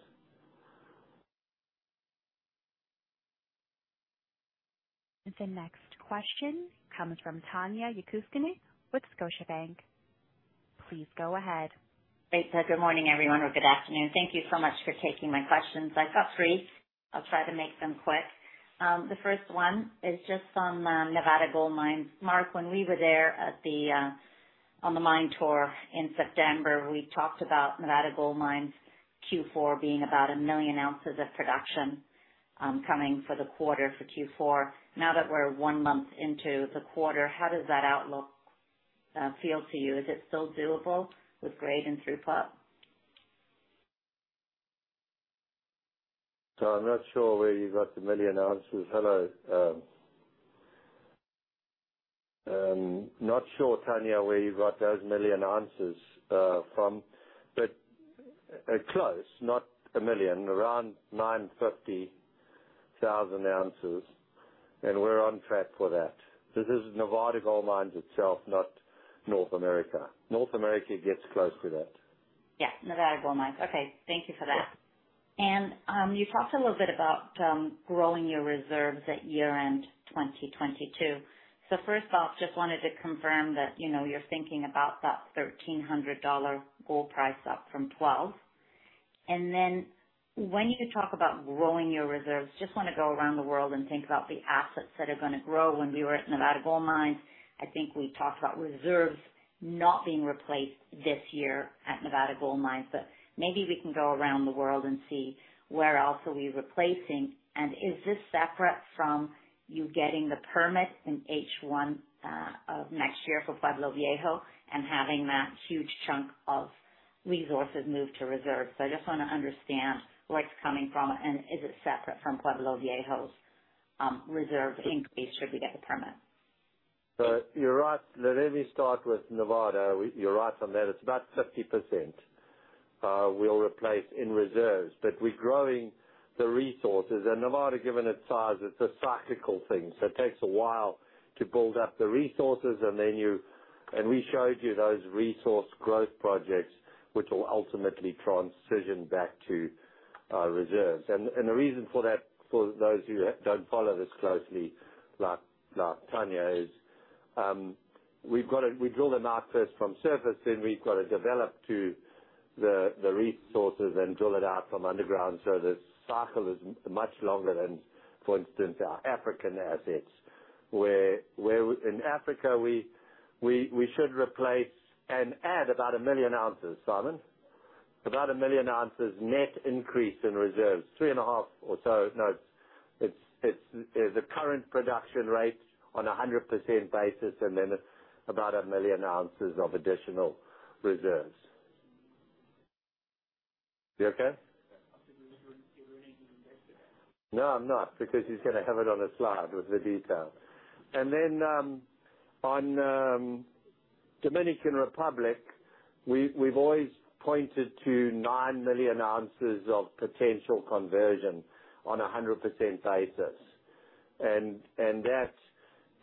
The next question comes from Tanya Jakusconek with Scotiabank. Please go ahead. Great. Good morning, everyone, or good afternoon. Thank you so much for taking my questions. I've got three. I'll try to make them quick. The first one is just on Nevada Gold Mines. Mark, when we were there on the mine tour in September, we talked about Nevada Gold Mines' Q4 being about 1 million ounces of production coming for the quarter for Q4. Now that we're one month into the quarter, how does that outlook feel to you? Is it still doable with grade and throughput? I'm not sure where you got 1 million ounces. Not sure, Tanya, where you got those 1 million ounces from, but close, not 1 million, around 950,000 ounces, and we're on track for that. This is Nevada Gold Mines itself, not North America. North America gets close to that. Yeah. Nevada Gold Mines. Okay. Thank you for that. Yeah. You talked a little bit about growing your reserves at year-end 2022. First off, just wanted to confirm that, you know, you're thinking about that $1,300 gold price up from $1,200. When you talk about growing your reserves, just wanna go around the world and think about the assets that are gonna grow. When we were at Nevada Gold Mines, I think we talked about reserves not being replaced this year at Nevada Gold Mines. Maybe we can go around the world and see where else are we replacing, and is this separate from you getting the permit in H1 of next year for Pueblo Viejo and having that huge chunk of resources move to reserves? I just wanna understand where it's coming from, and is it separate from Pueblo Viejo's reserve increase should we get the permit? You're right. Let me start with Nevada. You're right on that. It's about 50%, we'll replace in reserves. We're growing the resources. Nevada, given its size, it's a cyclical thing, so it takes a while to build up the resources and then you. We showed you those resource growth projects which will ultimately transition back to our reserves. The reason for that, for those who don't follow this closely, like Tanya, is we've gotta we drill them out first from surface, then we've got to develop to the resources and drill it out from underground so the cycle is much longer than, for instance, our African assets, where in Africa we should replace and add about 1 million ounces, Tanya. About 1 million ounces net increase in reserves, 3.5 or so. No, it's the current production rate on a 100% basis, and then about 1 million ounces of additional reserves. You okay? No, I'm not, because he's gonna have it on a slide with the detail. Then on Dominican Republic, we've always pointed to 9 million ounces of potential conversion on a 100% basis.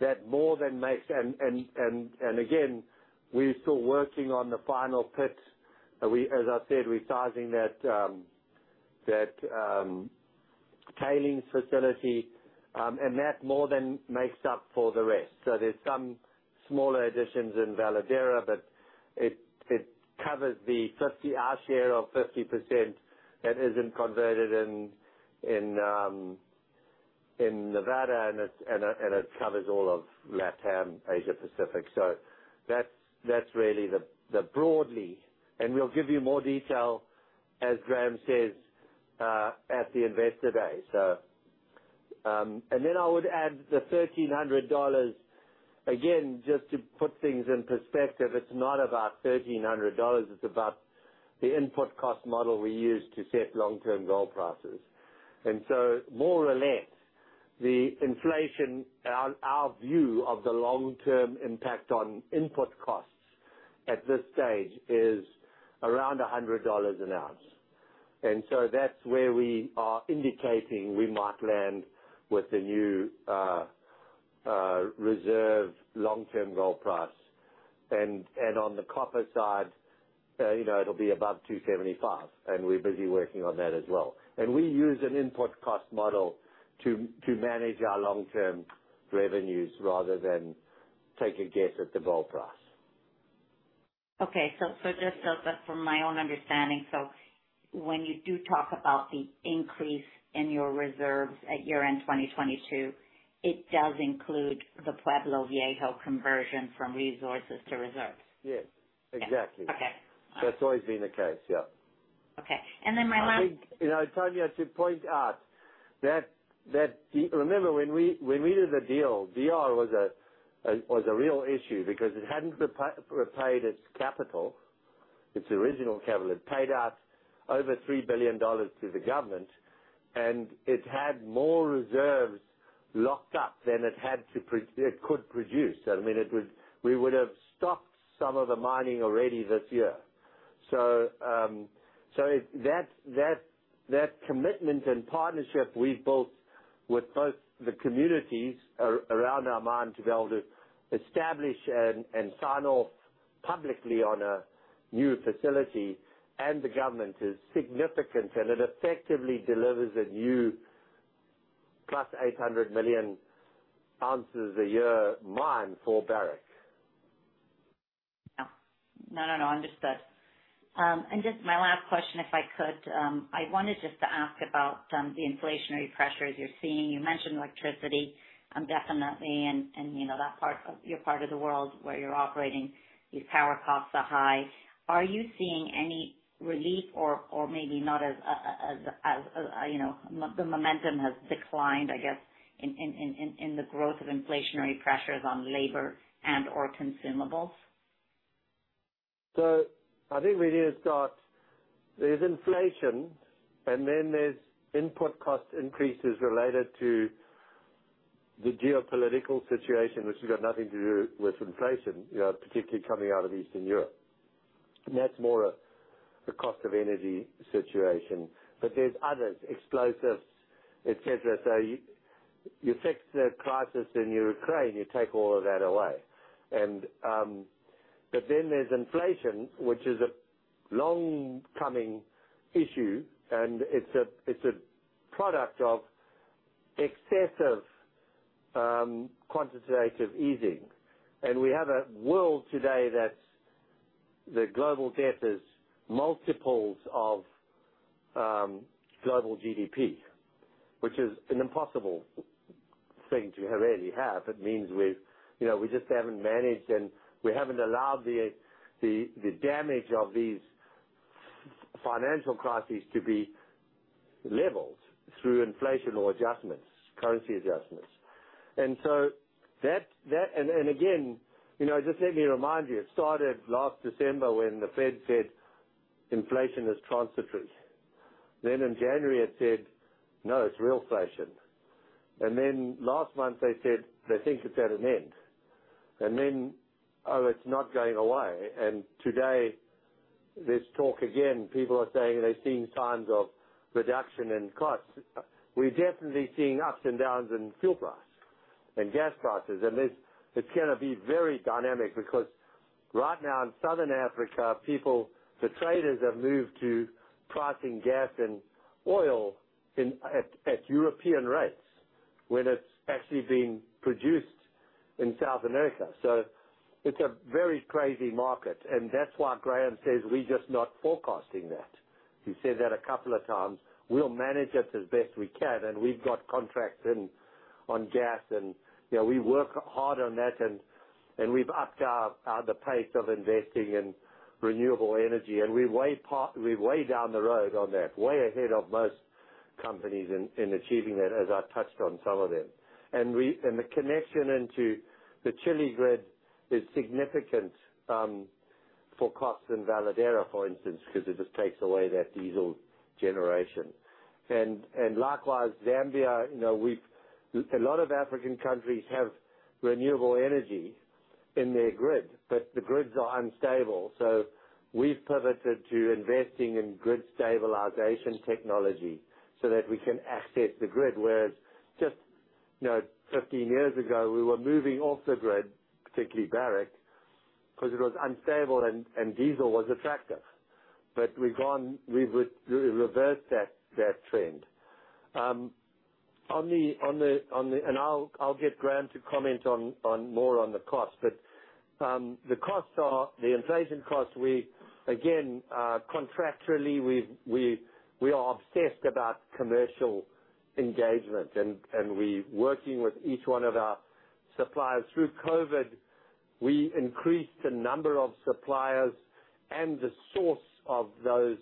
That's more than makes. We're still working on the final pit. As I said, we're sizing that tailings facility, and that more than makes up for the rest. There's some smaller additions in Veladero, but it covers the 50%. Our share of 50% that isn't converted in Nevada, and it covers all of LatAm, Asia-Pacific. That's really the broadly. We'll give you more detail, as Graham says, at the Investor Day. I would add the $1,300. Again, just to put things in perspective, it's not about $1,300, it's about the input cost model we use to set long-term gold prices. More or less, the inflation, our view of the long-term impact on input costs at this stage is around $100 an ounce. That's where we are indicating we might land with the new reserve long-term gold price. On the copper side, you know, it'll be above $2.75, and we're busy working on that as well. We use an input cost model to manage our long-term revenues rather than take a guess at the gold price. From my own understanding, when you do talk about the increase in your reserves at year-end 2022, it does include the Pueblo Viejo conversion from resources to reserves? Yes. Exactly. Okay. All right. That's always been the case. Yeah. Okay. My last I think you know, Tanya, to point out that remember when we did the deal, Reko Diq was a real issue because it hadn't repaid its capital, its original capital. It paid out over $3 billion to the government, and it had more reserves locked up than it could produce. I mean, it was. We would have stopped some of the mining already this year. If that commitment and partnership we've built with both the communities around our mine to be able to establish and sign off publicly on a new facility and the government is significant, and it effectively delivers a new plus 800 million ounces a year mine for Barrick. No. Understood. Just my last question, if I could. I wanted just to ask about the inflationary pressures you're seeing. You mentioned electricity, definitely, and you know, that part of your part of the world where you're operating, these power costs are high. Are you seeing any relief or maybe not as you know, the momentum has declined, I guess, in the growth of inflationary pressures on labor and/or consumables? I think we need to start. There's inflation, and then there's input cost increases related to the geopolitical situation, which has got nothing to do with inflation, you know, particularly coming out of Eastern Europe. That's more a cost of energy situation. But there's others, explosives, etc. You fix the crisis in Ukraine, you take all of that away. But then there's inflation, which is a long-coming issue, and it's a product of excessive quantitative easing. We have a world today that's the global debt is multiples of global GDP, which is an impossible thing to already have. It means we've, you know, we just haven't managed, and we haven't allowed the damage of these financial crises to be leveled through inflation or adjustments, currency adjustments. That. Again, you know, just let me remind you. It started last December when the Fed said inflation is transitory. In January, it said, "No, it's realflation." Last month, they said they think it's at an end. "Oh, it's not going away." Today, there's talk again, people are saying they're seeing signs of reduction in costs. We're definitely seeing ups and downs in fuel price and gas prices. It's gonna be very dynamic because right now in Southern Africa, people, the traders have moved to pricing gas and oil in at European rates when it's actually being produced in South America. It's a very crazy market, and that's why Graham says we're just not forecasting that. He said that a couple of times. We'll manage it as best we can, and we've got contracts in on gas and, you know, we work hard on that and we've upped the pace of investing in renewable energy. We're way down the road on that, way ahead of most companies in achieving that, as I touched on some of them. The connection into the Chile grid is significant for costs in Veladero, for instance, because it just takes away that diesel generation. Likewise Zambia, you know, a lot of African countries have renewable energy in their grid, but the grids are unstable. We've pivoted to investing in grid stabilization technology so that we can access the grid, whereas just, you know, 15 years ago, we were moving off the grid, particularly Barrick, because it was unstable and diesel was attractive. We've reversed that trend. I'll get Graham to comment on more on the cost. The costs are. The inflation costs, we, again, contractually, we are obsessed about commercial engagement, and we're working with each one of our suppliers. Through COVID, we increased the number of suppliers and the source of those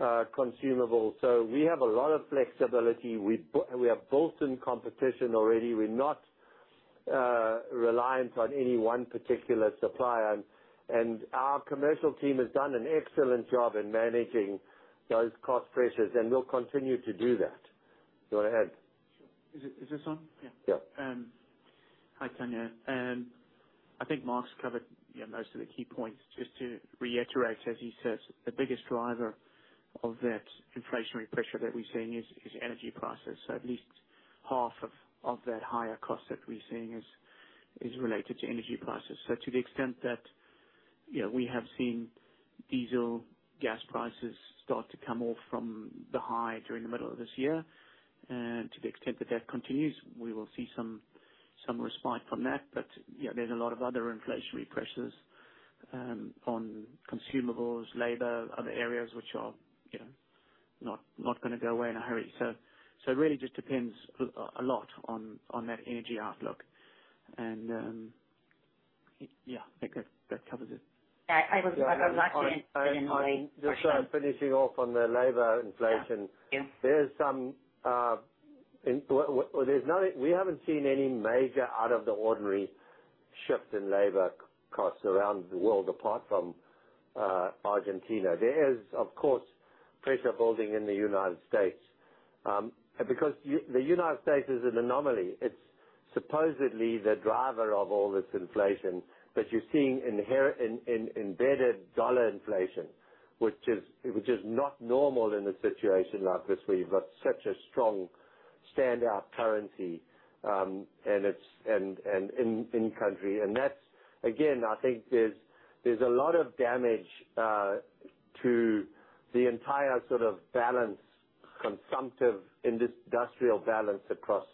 consumables. We have a lot of flexibility. We have built in competition already. We're not reliant on any one particular supplier. Our commercial team has done an excellent job in managing those cost pressures, and we'll continue to do that. Go ahead. Sure. Is this on? Yeah. Yeah. Hi, Tanya. I think Mark's covered, you know, most of the key points. Just to reiterate, as he says, the biggest driver of that inflationary pressure that we're seeing is energy prices. At least half of that higher cost that we're seeing is related to energy prices. To the extent that, you know, we have seen diesel gas prices start to come off from the high during the middle of this year, and to the extent that that continues, we will see some respite from that. But yeah, there's a lot of other inflationary pressures on consumables, labor, other areas which are, you know, not gonna go away in a hurry. It really just depends a lot on that energy outlook. Yeah, I think that covers it. Yeah. I was actually. Just finishing off on the labor inflation. Yeah. Yeah. We haven't seen any major out of the ordinary shifts in labor costs around the world apart from Argentina. There is, of course, pressure building in the United States, and because the United States is an anomaly. It's supposedly the driver of all this inflation, but you're seeing embedded dollar inflation, which is not normal in a situation like this, where you've got such a strong standout currency, and it's in-country. That's again, I think there's a lot of damage to the entire sort of balance, consumptive industrial balance across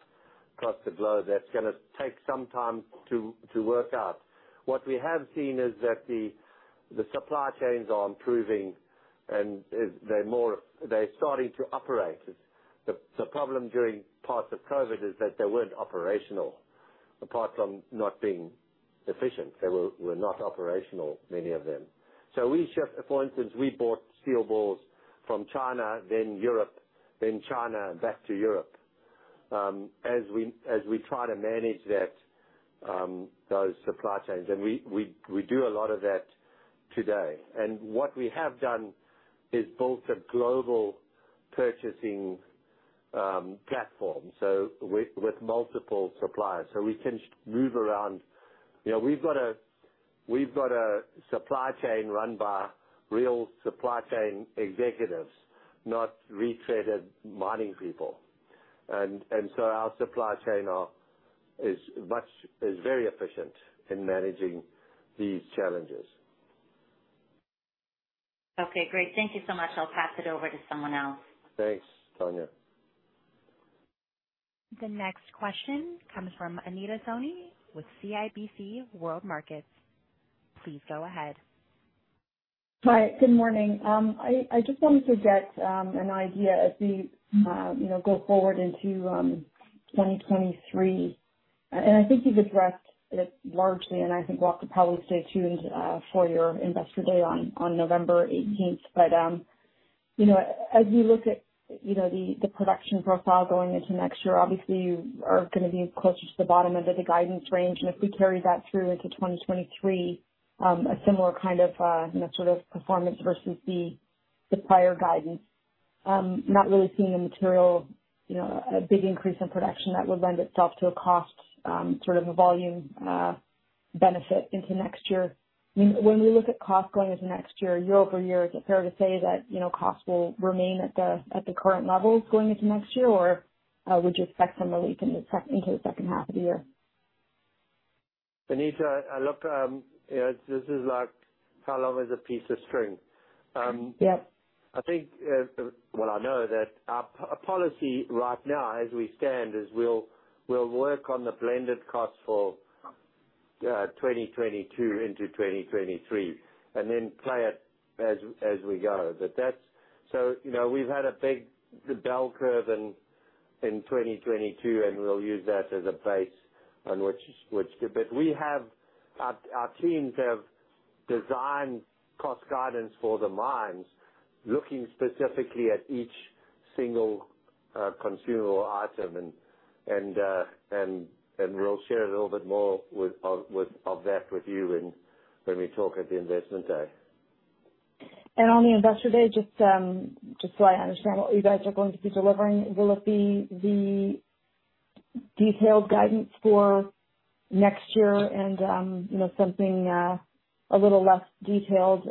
the globe that's gonna take some time to work out. What we have seen is that the supply chains are improving, and they're starting to operate. The problem during parts of COVID is that they weren't operational. Apart from not being efficient, they were not operational, many of them. For instance, we bought steel balls from China, then Europe, then China, back to Europe, as we try to manage that, those supply chains. We do a lot of that today. What we have done is built a global purchasing platform, so with multiple suppliers, so we can move around. You know, we've got a supply chain run by real supply chain executives, not retreaded mining people. Our supply chain is very efficient in managing these challenges. Okay, great. Thank you so much. I'll pass it over to someone else. Thanks, Tanya. The next question comes from Anita Soni with CIBC World Markets. Please go ahead. Hi. Good morning. I just wanted to get an idea as we you know go forward into 2023. I think you've addressed it largely, and I think we'll have to probably stay tuned for your Investor Day on November 18th. You know, as we look at you know the production profile going into next year, obviously you are gonna be closer to the bottom end of the guidance range. If we carry that through into 2023, a similar kind of you know sort of performance versus the prior guidance, not really seeing a material you know a big increase in production that would lend itself to a cost sort of a volume benefit into next year. When you look at costs going into next year-over-year, is it fair to say that, you know, costs will remain at the current levels going into next year? Or would you expect some relief into the second half of the year? Anita, look, you know, this is like how long is a piece of string? Yep. I think, well, I know that our policy right now as we stand is we'll work on the blended cost for 2022 into 2023, and then play it as we go. That's. You know, we've had a big bell curve in 2022, and we'll use that as a base on which to. We have. Our teams have designed cost guidance for the mines, looking specifically at each single consumable item. We'll share a little bit more of that with you when we talk at the investment day. On the investor day, just so I understand what you guys are going to be delivering, will it be the detailed guidance for next year and, you know, something a little less detailed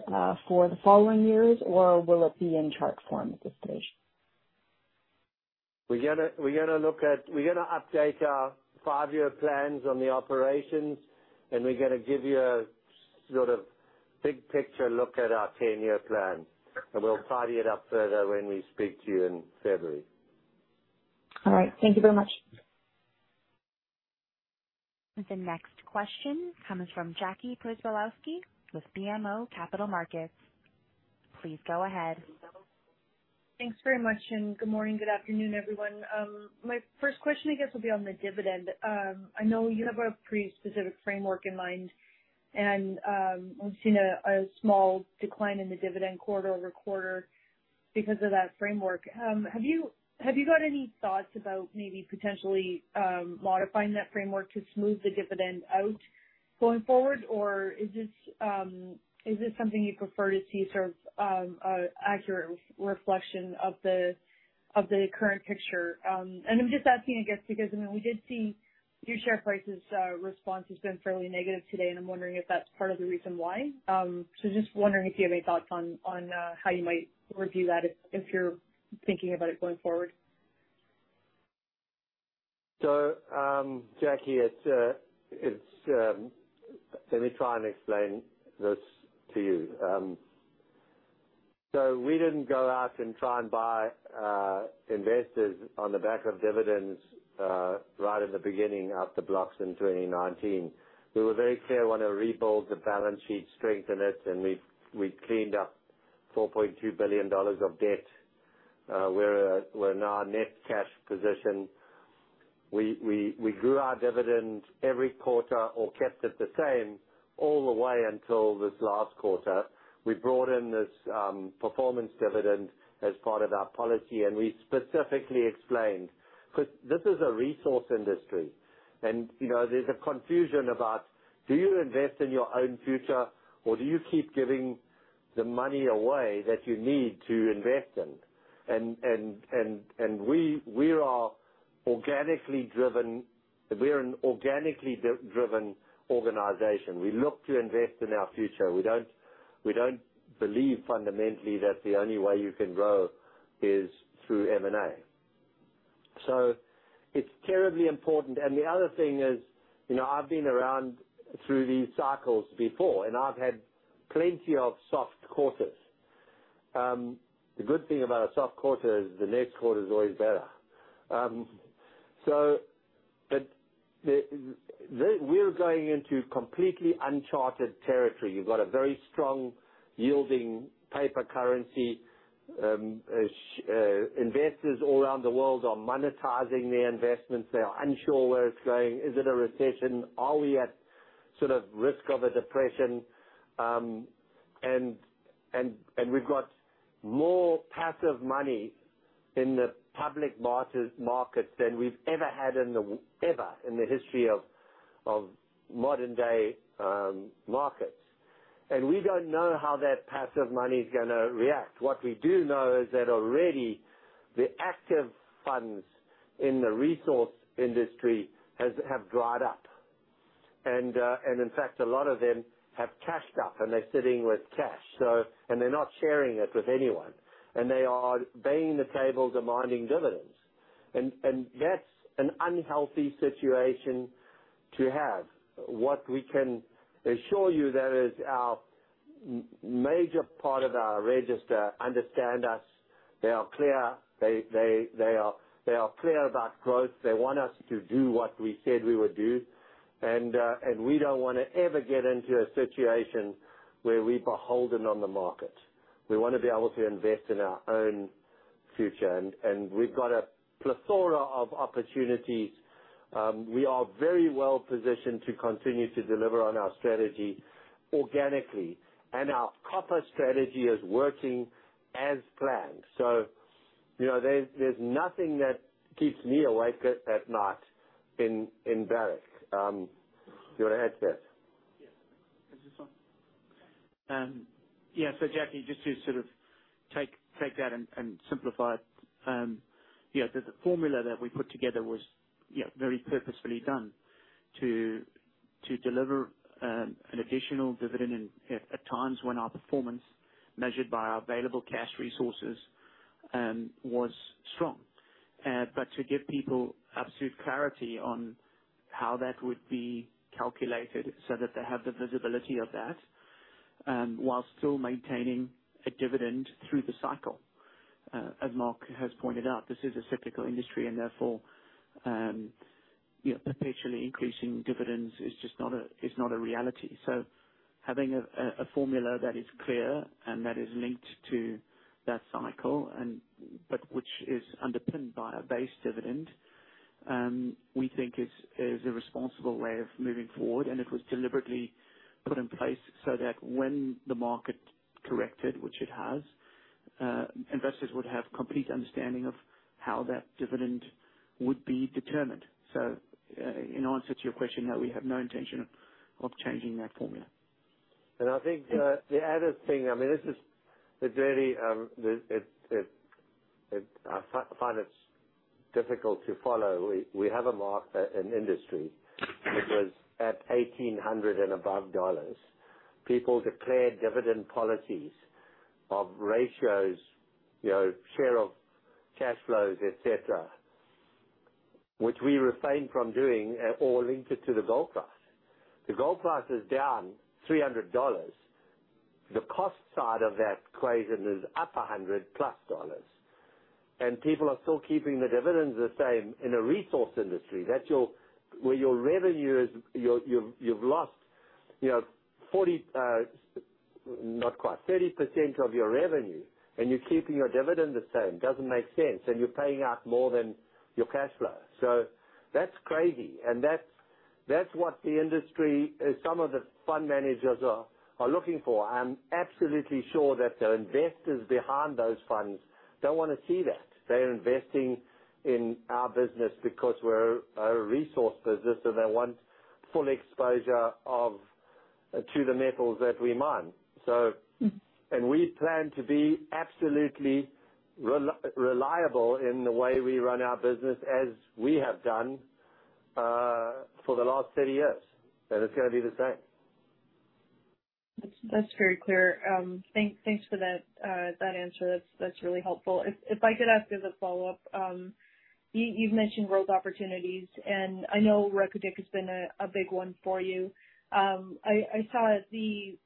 for the following years, or will it be in chart form at this stage? We're gonna update our five-year plans on the operations, and we're gonna give you a sort of big picture look at our ten-year plan, and we'll tidy it up further when we speak to you in February. All right. Thank you very much. The next question comes from Jackie Przybylowski with BMO Capital Markets. Please go ahead. Thanks very much, and good morning, good afternoon, everyone. My first question, I guess, will be on the dividend. I know you have a pretty specific framework in mind, and we've seen a small decline in the dividend quarter over quarter because of that framework. Have you got any thoughts about maybe potentially modifying that framework to smooth the dividend out going forward? Or is this something you prefer to see sort of an accurate reflection of the current picture? I'm just asking, I guess, because, I mean, we did see your share price's response has been fairly negative today, and I'm wondering if that's part of the reason why. Just wondering if you have any thoughts on how you might review that if you're thinking about it going forward? Jackie, it's let me try and explain this to you. We didn't go out and try and buy investors on the back of dividends right at the beginning, out of the blocks in 2019. We were very clear we wanna rebuild the balance sheet, strengthen it, and we cleaned up $4.2 billion of debt. We're now net cash positive. We grew our dividend every quarter or kept it the same all the way until this last quarter. We brought in this performance dividend as part of our policy, and we specifically explained, 'cause this is a resource industry. You know, there's a confusion about do you invest in your own future or do you keep giving the money away that you need to invest in? We are organically driven. We're an organically driven organization. We look to invest in our future. We don't believe fundamentally that the only way you can grow is through M&A. So it's terribly important. The other thing is, you know, I've been around through these cycles before, and I've had plenty of soft quarters. The good thing about a soft quarter is the next quarter is always better. But we're going into completely uncharted territory. You've got a very strong yielding paper currency. Investors all around the world are monetizing their investments. They are unsure where it's going. Is it a recession? Are we at sort of risk of a depression? We've got more passive money in the public markets than we've ever had in the history of modern-day markets. We don't know how that passive money is gonna react. What we do know is that already the active funds in the resource industry have dried up. In fact, a lot of them have cashed up, and they're sitting with cash. They're not sharing it with anyone. They are banging the table demanding dividends. That's an unhealthy situation to have. What we can assure you, there is our major part of our register understand us. They are clear. They are clear about growth. They want us to do what we said we would do. We don't wanna ever get into a situation where we're beholden on the market. We wanna be able to invest in our own future. We've got a plethora of opportunities. We are very well positioned to continue to deliver on our strategy organically. Our copper strategy is working as planned. You know, there's nothing that keeps me awake at night in Barrick. Do you want to add to that? Jackie, just to sort of take that and simplify it, you know, the formula that we put together was very purposefully done to deliver an additional dividend at times when our performance measured by our available cash resources was strong. To give people absolute clarity on how that would be calculated so that they have the visibility of that, while still maintaining a dividend through the cycle. As Mark has pointed out, this is a cyclical industry and therefore, you know, perpetually increasing dividends is just not a reality. Having a formula that is clear and that is linked to that cycle but which is underpinned by a base dividend, we think is a responsible way of moving forward. It was deliberately put in place so that when the market corrected, which it has, investors would have complete understanding of how that dividend would be determined. In answer to your question, no, we have no intention of changing that formula. I think, the other thing, I mean, this is very, I find it's difficult to follow. We have a market and industry that was at $1,800 and above. People declared dividend policies of ratios, you know, share of cash flows, et cetera, which we refrain from doing, or link it to the gold price. The gold price is down $300. The cost side of that equation is up $100+. People are still keeping the dividends the same in a resource industry. That's where your revenue is, you've lost, you know, 40, not quite, 30% of your revenue and you're keeping your dividend the same. Doesn't make sense, and you're paying out more than your cash flow. That's crazy, and that's what the industry, some of the fund managers are looking for. I'm absolutely sure that the investors behind those funds don't wanna see that. They're investing in our business because we're a resource business, so they want full exposure to the metals that we mine. Mm. We plan to be absolutely reliable in the way we run our business as we have done for the last 30 years. It's gonna be the same. That's very clear. Thanks for that answer. That's really helpful. If I could ask as a follow-up, you've mentioned growth opportunities, and I know Reko Diq has been a big one for you. I saw the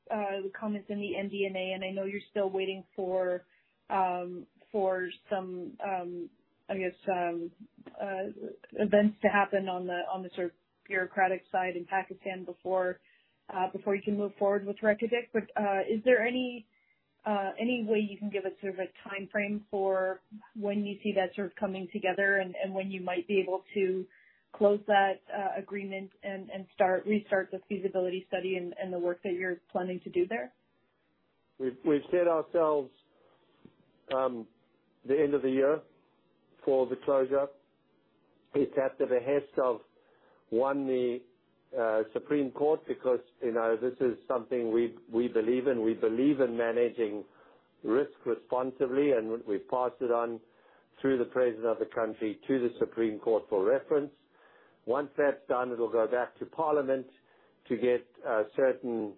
comments in the MD&A, and I know you're still waiting for some, I guess, events to happen on the sort of bureaucratic side in Pakistan before you can move forward with Reko Diq. Is there any way you can give a sort of a timeframe for when you see that sort of coming together and when you might be able to close that agreement and restart the feasibility study and the work that you're planning to do there? We've set ourselves the end of the year for the closure. It's at the behest of the Supreme Court, because, you know, this is something we believe in. We believe in managing risk responsibly, and we've passed it on through the president of the country to the Supreme Court for reference. Once that's done, it'll go back to parliament to get certain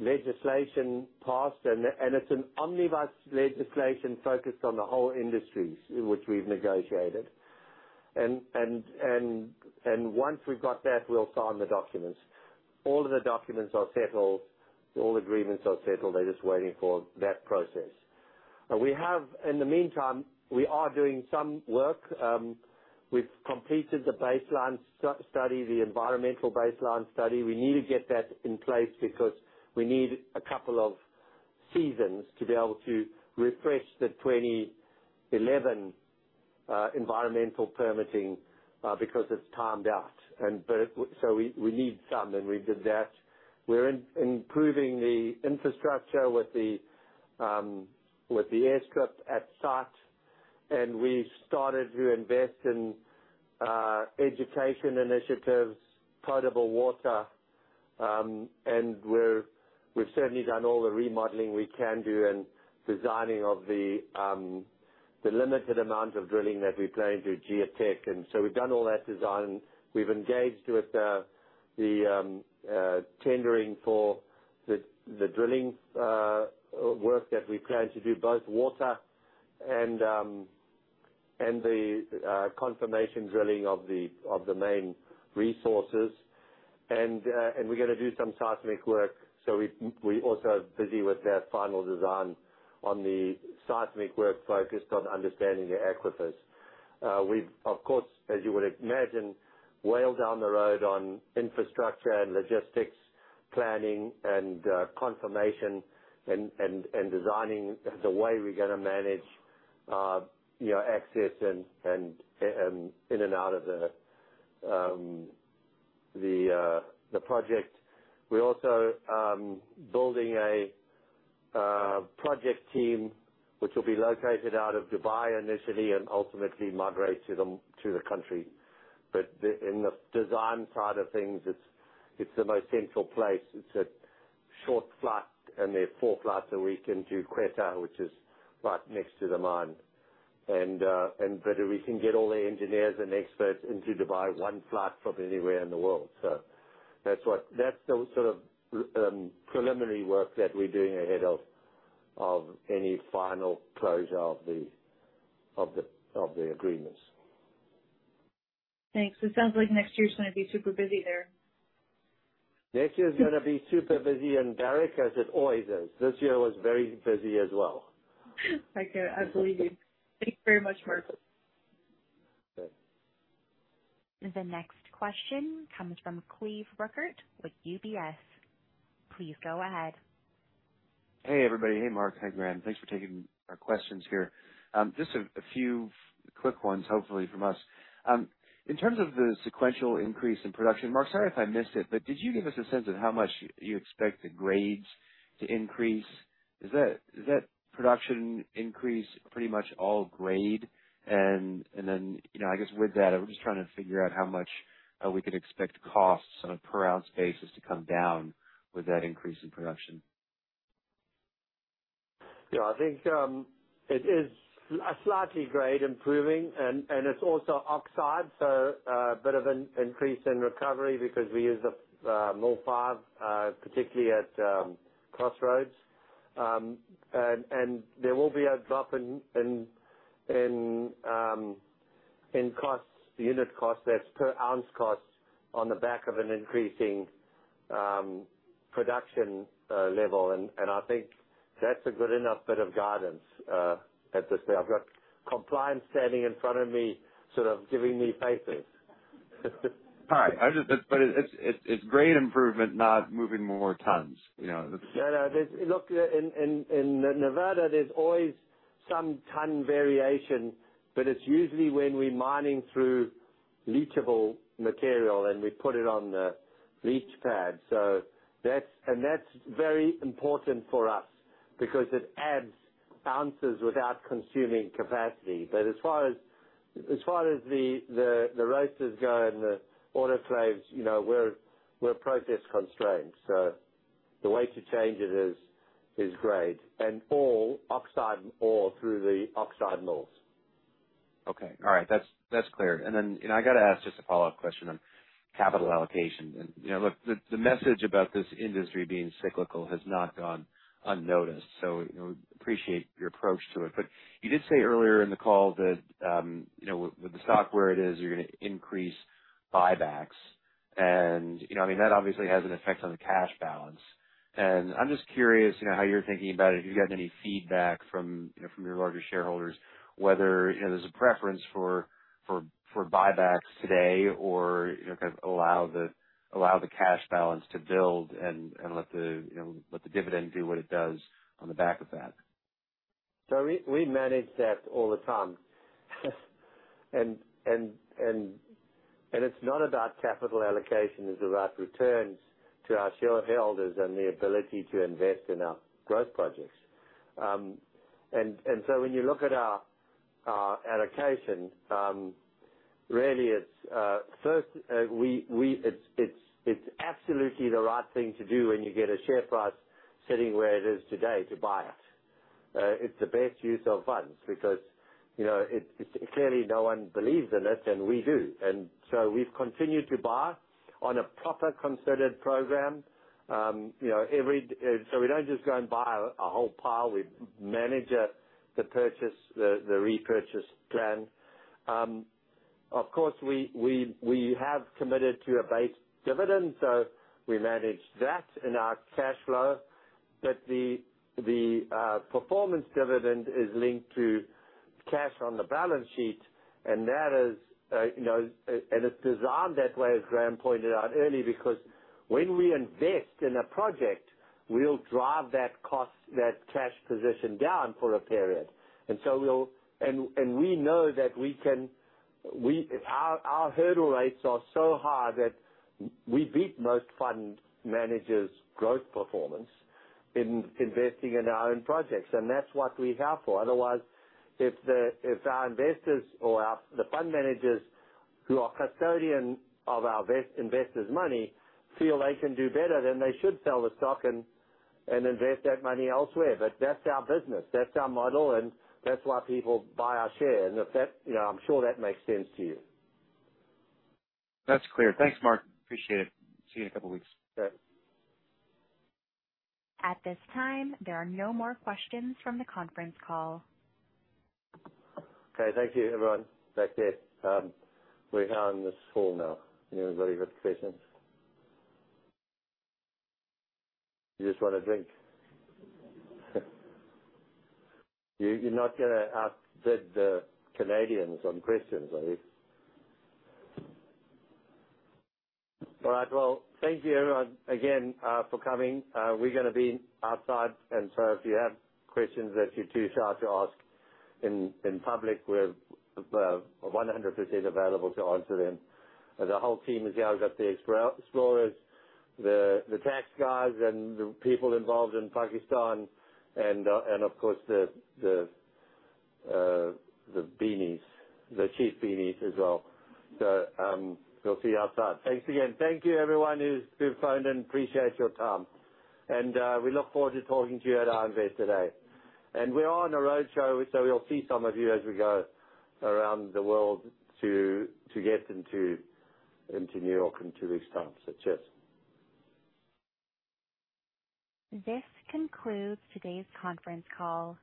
legislation passed. Once we've got that, we'll sign the documents. All of the documents are settled, all agreements are settled. They're just waiting for that process. In the meantime, we are doing some work. We've completed the baseline study, the environmental baseline study. We need to get that in place because we need a couple of seasons to be able to refresh the 2011 environmental permitting because it's timed out. We need some, and we did that. We're improving the infrastructure with the airstrip at site, and we've started to invest in education initiatives, potable water, and we've certainly done all the remodeling we can do and designing of the limited amount of drilling that we plan to do geotech. We've done all that design. We've engaged with the tendering for the drilling work that we plan to do, both water and the confirmation drilling of the main resources. We're gonna do some seismic work, so we also are busy with that final design on the seismic work focused on understanding the aquifers. We've of course, as you would imagine, well down the road on infrastructure and logistics, planning and confirmation and designing the way we're gonna manage, you know, access and in and out of the project. We're also building a project team, which will be located out of Dubai initially and ultimately migrate to the country. In the design side of things, it's the most central place. It's a short flight, and there are four flights a week into Quetta, which is right next to the mine. We can get all the engineers and experts into Dubai, one flight from anywhere in the world. That's the sort of preliminary work that we're doing ahead of the agreements. Thanks. It sounds like next year is gonna be super busy there. Next year is gonna be super busy in Barrick as it always is. This year was very busy as well. Thank you. I believe you. Thank you very much, Mark. Okay. The next question comes from Cleve Rueckert with UBS. Please go ahead. Hey, everybody. Hey, Mark. Hey, Graham. Thanks for taking our questions here. Just a few quick ones, hopefully from us. In terms of the sequential increase in production, Mark, sorry if I missed it, but did you give us a sense of how much you expect the grades to increase? Is that production increase pretty much all grade? You know, I guess with that, I'm just trying to figure out how much we could expect costs on a per ounce basis to come down with that increase in production. Yeah, I think it is a slightly grade improving and it's also oxide, so a bit of an increase in recovery because we use the Mill 5, particularly at Crossroads. There will be a drop in costs, the unit cost, that's per ounce cost on the back of an increasing production level. I think that's a good enough bit of guidance at this stage. I've got compliance standing in front of me, sort of giving me faces. It's grade improvement, not moving more tons, you know. Yeah, no. Look, in Nevada, there's always some ton variation, but it's usually when we're mining through leachable material, and we put it on the leach pad. That's very important for us because it adds ounces without consuming capacity. As far as the roasters go and the autoclaves, you know, we're process constrained, so the way to change it is grade and haul all oxide ore through the oxide mills. Okay. All right. That's clear. You know, I got to ask just a follow-up question on capital allocation. You know, look, the message about this industry being cyclical has not gone unnoticed, so, you know, appreciate your approach to it. You did say earlier in the call that, you know, with the stock where it is, you're gonna increase buybacks. You know, I mean, that obviously has an effect on the cash balance. I'm just curious, you know, how you're thinking about it. If you've gotten any feedback from, you know, from your larger shareholders whether, you know, there's a preference for buybacks today or, you know, kind of allow the cash balance to build and let the, you know, let the dividend do what it does on the back of that. We manage that all the time. It's not about capital allocation, it's about returns to our shareholders and the ability to invest in our growth projects. When you look at our allocation, really it's absolutely the right thing to do when you get a share price sitting where it is today to buy it. It's the best use of funds because, you know, clearly no one believes in it, and we do. We've continued to buy on a proper considered program. We don't just go and buy a whole pile. We manage it, the purchase, the repurchase plan. Of course, we have committed to a base dividend. We manage that in our cash flow. The performance dividend is linked to cash on the balance sheet. You know, it's designed that way, as Graham pointed out earlier, because when we invest in a project, we'll drive that cost, that cash position down for a period. We know that our hurdle rates are so high that we beat most fund managers' growth performance in investing in our own projects, and that's what we have for. Otherwise, if our investors or the fund managers who are custodian of our investors' money feel they can do better, then they should sell the stock and invest that money elsewhere. That's our business, that's our model, and that's why people buy our shares. You know, I'm sure that makes sense to you. That's clear. Thanks, Mark. Appreciate it. See you in a couple weeks. Sure. At this time, there are no more questions from the conference call. Okay. Thank you, everyone. Back there. We're here on this call now. Anybody got questions? You just want a drink? You, you're not gonna ask the Canadians some questions, are you? All right. Well, thank you everyone again for coming. We're gonna be outside, and so if you have questions that you're too shy to ask in public, we're 100% available to answer them. The whole team is here. We've got the explorers, the tax guys and the people involved in Pakistan, and of course, the beanies, the chief beanies as well. We'll see you outside. Thanks again. Thank you everyone who phoned in. Appreciate your time. We look forward to talking to you at our Investor Day. We are on a roadshow, so we'll see some of you as we go around the world to get into New York in two weeks' time. Cheers. This concludes today's conference call.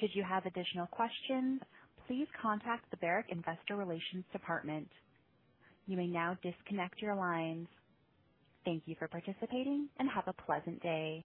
Should you have additional questions, please contact the Barrick Investor Relations department. You may now disconnect your lines. Thank you for participating, and have a pleasant day.